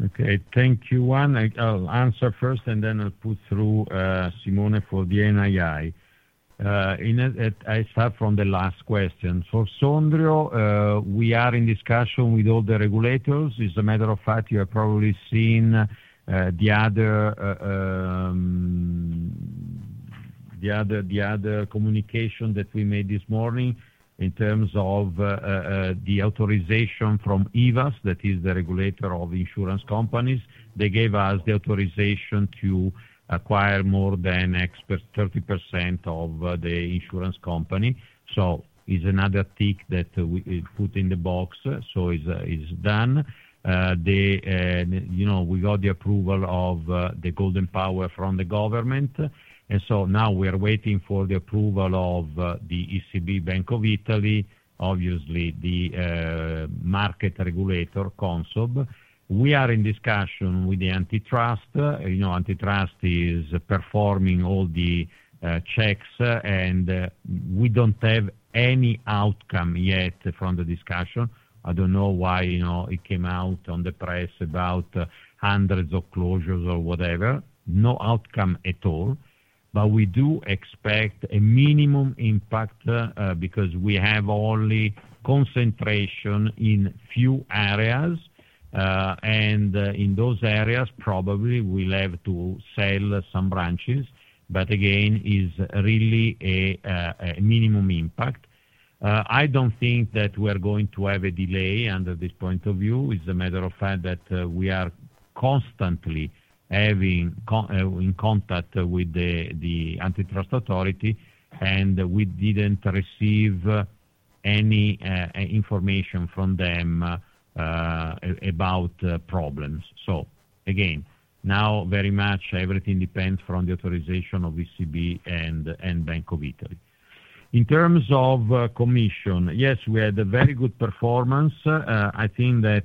Okay. Thank you, Juan. I'll answer first, and then I'll put through Simone for the NII. I start from the last question. For Sondrio, we are in discussion with all the regulators. As a matter of fact, you have probably seen the other communication that we made this morning in terms of the authorization from IVASS, that is the regulator of insurance companies. They gave us the authorization to acquire more than 30% of the insurance company. It is another tick that we put in the box. It is done. We got the approval of the golden power from the government. Now we are waiting for the approval of the ECB, Bank of Italy, obviously the market regulator, Consob. We are in discussion with the antitrust. Antitrust is performing all the checks, and we do not have any outcome yet from the discussion. I do not know why it came out on the press about hundreds of closures or whatever. No outcome at all. We do expect a minimum impact because we have only concentration in few areas. In those areas, probably we will have to sell some branches. Again, it is really a minimum impact. I do not think that we are going to have a delay under this point of view. It's a matter of fact that we are constantly having contact with the antitrust authority, and we didn't receive any information from them about problems. Again, now very much everything depends from the authorization of ECB and Bank of Italy. In terms of commission, yes, we had a very good performance. I think that,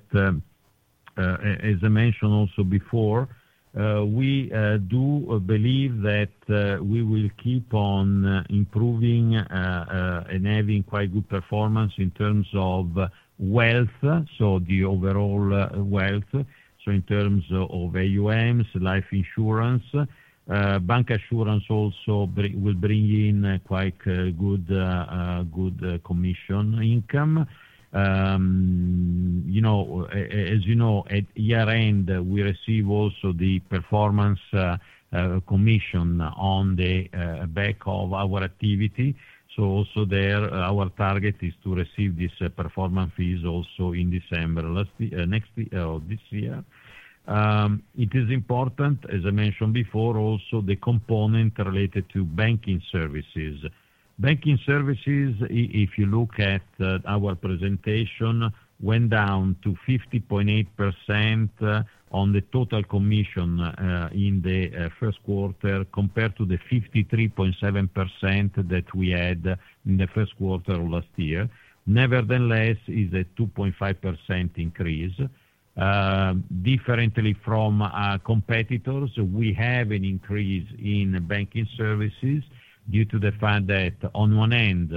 as I mentioned also before, we do believe that we will keep on improving and having quite good performance in terms of wealth, so the overall wealth. In terms of AUMs, life insurance, bank assurance also will bring in quite good commission income. As you know, at year-end, we receive also the performance commission on the back of our activity. Also there, our target is to receive this performance fees also in December next year or this year. It is important, as I mentioned before, also the component related to banking services. Banking services, if you look at our presentation, went down to 50.8% on the total commission in the first quarter compared to the 53.7% that we had in the first quarter of last year. Nevertheless, it's a 2.5% increase. Differently from competitors, we have an increase in banking services due to the fact that on one end,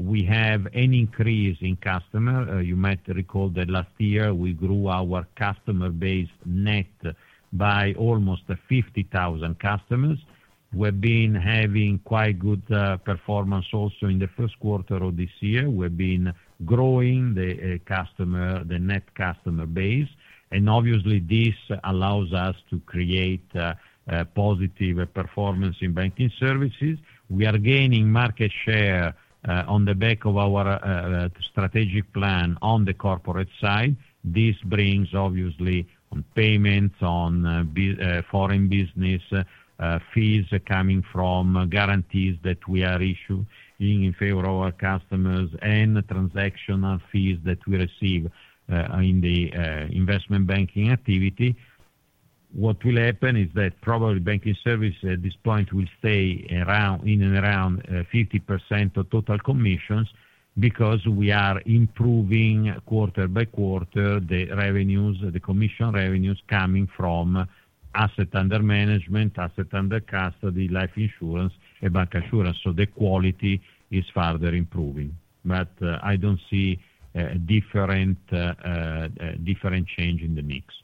we have an increase in customer. You might recall that last year, we grew our customer base net by almost 50,000 customers. We've been having quite good performance also in the first quarter of this year. We've been growing the net customer base. Obviously, this allows us to create positive performance in banking services. We are gaining market share on the back of our strategic plan on the corporate side. This brings obviously on payments, on foreign business fees coming from guarantees that we are issuing in favor of our customers and transactional fees that we receive in the investment banking activity. What will happen is that probably banking services at this point will stay in and around 50% of total commissions because we are improving quarter by quarter the revenues, the commission revenues coming from assets under management, assets under custody, life insurance, and bank assurance. The quality is further improving. I do not see a different change in the mix.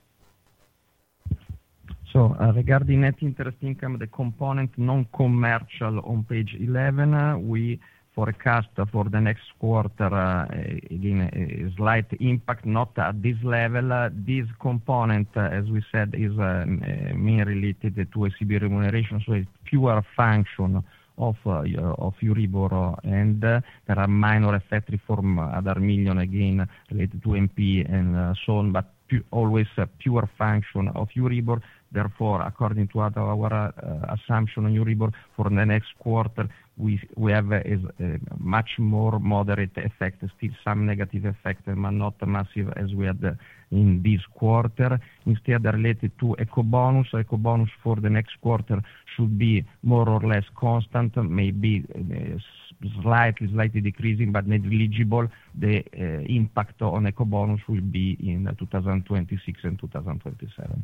Regarding net interest income, the component non-commercial on page 11, we forecast for the next quarter a slight impact, not at this level. This component, as we said, is mainly related to ECB remuneration. It is a pure function of Euribor. There are minor effects from other millions again related to MP and so on, but always a pure function of Euribor. Therefore, according to our assumption on Euribor for the next quarter, we have a much more moderate effect, still some negative effect, but not massive as we had in this quarter. Instead, related to EcoBonus, EcoBonus for the next quarter should be more or less constant, maybe slightly decreasing, but negligible. The impact on EcoBonus will be in 2026 and 2027.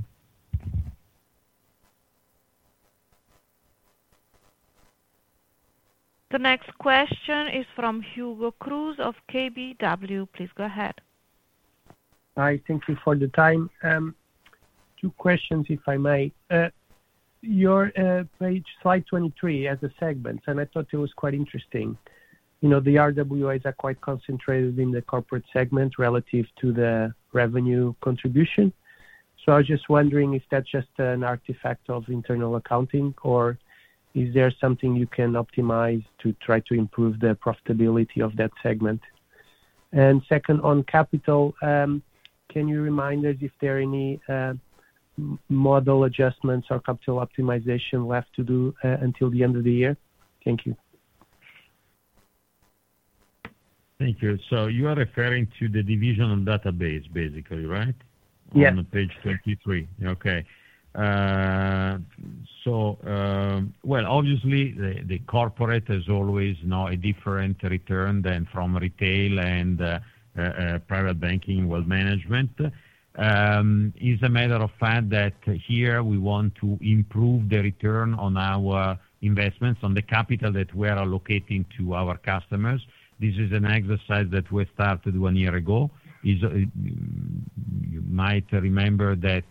The next question is from Hugo Cruz of KBW. Please go ahead. Hi. Thank you for the time. Two questions, if I may. Your page slide 23 has a segment, and I thought it was quite interesting. The RWAs are quite concentrated in the corporate segment relative to the revenue contribution. I was just wondering if that's just an artifact of internal accounting, or is there something you can optimize to try to improve the profitability of that segment? Second, on capital, can you remind us if there are any model adjustments or capital optimization left to do until the end of the year? Thank you. Thank you. You are referring to the divisional database, basically, right? Yes. On page 23. Okay. Obviously, the corporate has always now a different return than from retail and private banking wealth management. It is a matter of fact that here we want to improve the return on our investments, on the capital that we are allocating to our customers. This is an exercise that we started one year ago. You might remember that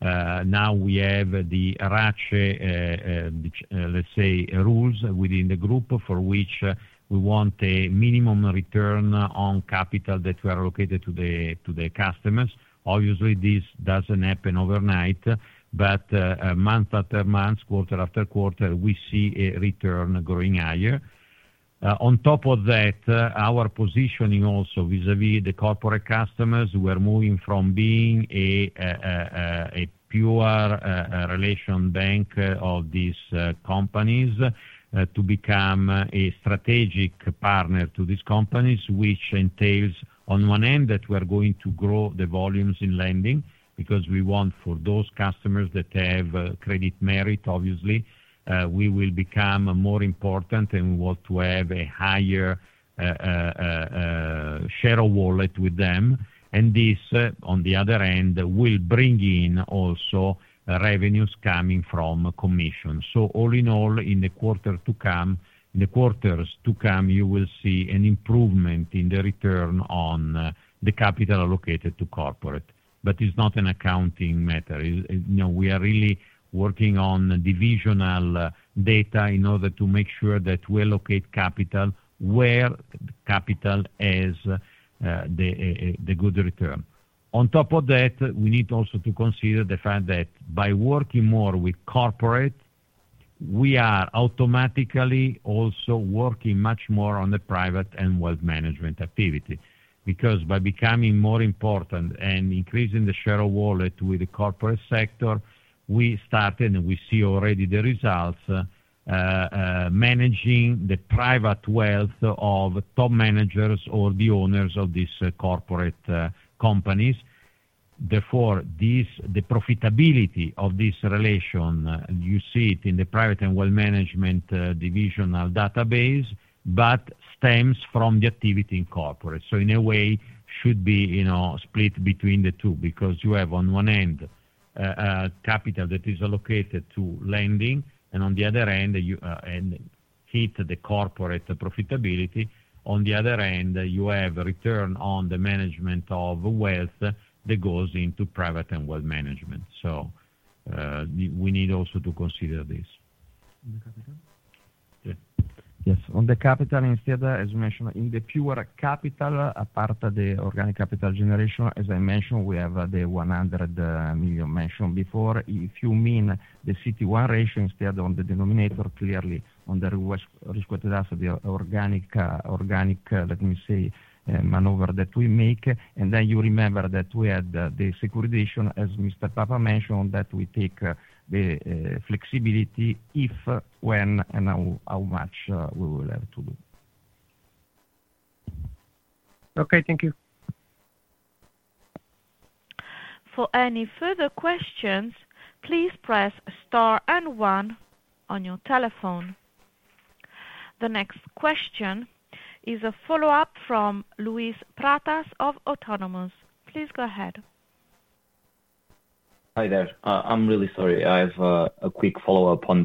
now we have the ratio, let's say, rules within the group for which we want a minimum return on capital that we are allocated to the customers. Obviously, this does not happen overnight, but month after month, quarter after quarter, we see a return growing higher. On top of that, our positioning also vis-à-vis the corporate customers, we are moving from being a pure relation bank of these companies to become a strategic partner to these companies, which entails on one end that we are going to grow the volumes in lending because we want for those customers that have credit merit, obviously, we will become more important and we want to have a higher share of wallet with them. This, on the other end, will bring in also revenues coming from commission. All in all, in the quarter to come, in the quarters to come, you will see an improvement in the return on the capital allocated to corporate. It is not an accounting matter. We are really working on divisional data in order to make sure that we allocate capital where capital has the good return. On top of that, we need also to consider the fact that by working more with corporate, we are automatically also working much more on the private and wealth management activity. Because by becoming more important and increasing the share of wallet with the corporate sector, we started and we see already the results managing the private wealth of top managers or the owners of these corporate companies. Therefore, the profitability of this relation, you see it in the private and wealth management divisional database, but stems from the activity in corporate. In a way, it should be split between the two because you have on one end capital that is allocated to lending, and on the other end, you hit the corporate profitability. On the other end, you have a return on the management of wealth that goes into private and wealth management. We need also to consider this. On the capital? On the capital instead, as you mentioned, in the pure capital, apart from the organic capital generation, as I mentioned, we have the 100 million mentioned before. If you mean the CET1 ratio instead on the denominator, clearly on the requested asset, the organic, let me say, maneuver that we make. Then you remember that we had the securitization, as Mr. Papa mentioned, that we take the flexibility if, when, and how much we will have to do. Okay. Thank you. For any further questions, please press star and one on your telephone. The next question is a follow-up from Luis Pratas of Autonomous. Please go ahead. Hi there. I'm really sorry. I have a quick follow-up on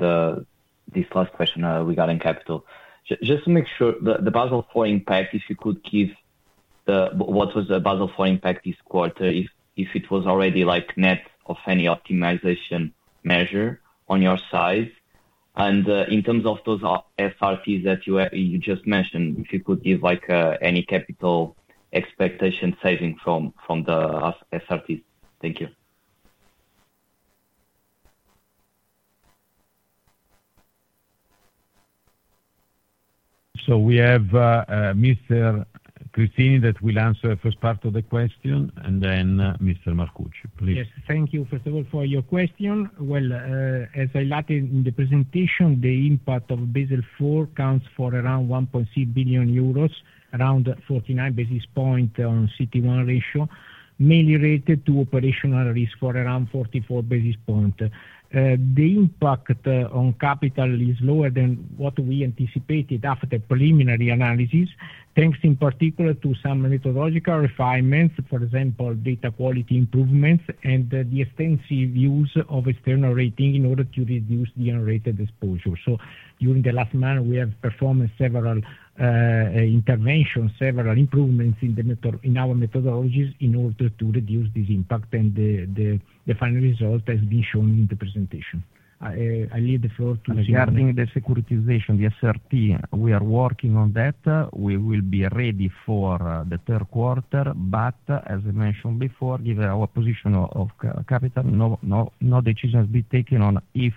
this last question regarding capital. Just to make sure, the Basel IV impact, if you could give what was the Basel IV impact this quarter, if it was already net of any optimization measure on your side. In terms of those SRTs that you just mentioned, if you could give any capital expectation saving from the SRTs. Thank you. We have Mr. Cristini that will answer the first part of the question, and then Mr. Marcucci, please. Yes. Thank you, first of all, for your question. As I laid out in the presentation, the impact of Basel IV counts for around 1.6 billion euros, around 49 basis points on CET1 ratio, mainly related to operational risk for around 44 basis points. The impact on capital is lower than what we anticipated after preliminary analysis, thanks in particular to some methodological refinements, for example, data quality improvements and the extensive use of external rating in order to reduce the unrated exposure. During the last month, we have performed several interventions, several improvements in our methodologies in order to reduce this impact, and the final result has been shown in the presentation. I leave the floor to Mr. Cristini. Regarding the securitization, the SRT, we are working on that. We will be ready for the third quarter, but as I mentioned before, given our position of capital, no decision has been taken on if,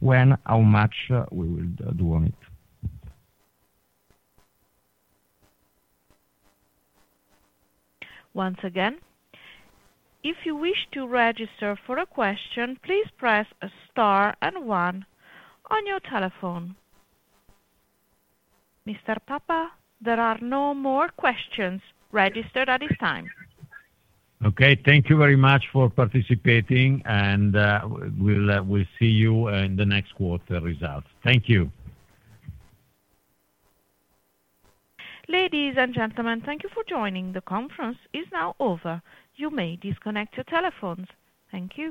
when, how much we will do on it. Once again, if you wish to register for a question, please press star and one on your telephone. Mr. Papa, there are no more questions registered at this time. Okay. Thank you very much for participating, and we'll see you in the next quarter results. Thank you. Ladies and gentlemen, thank you for joining. The conference is now over. You may disconnect your telephones. Thank you.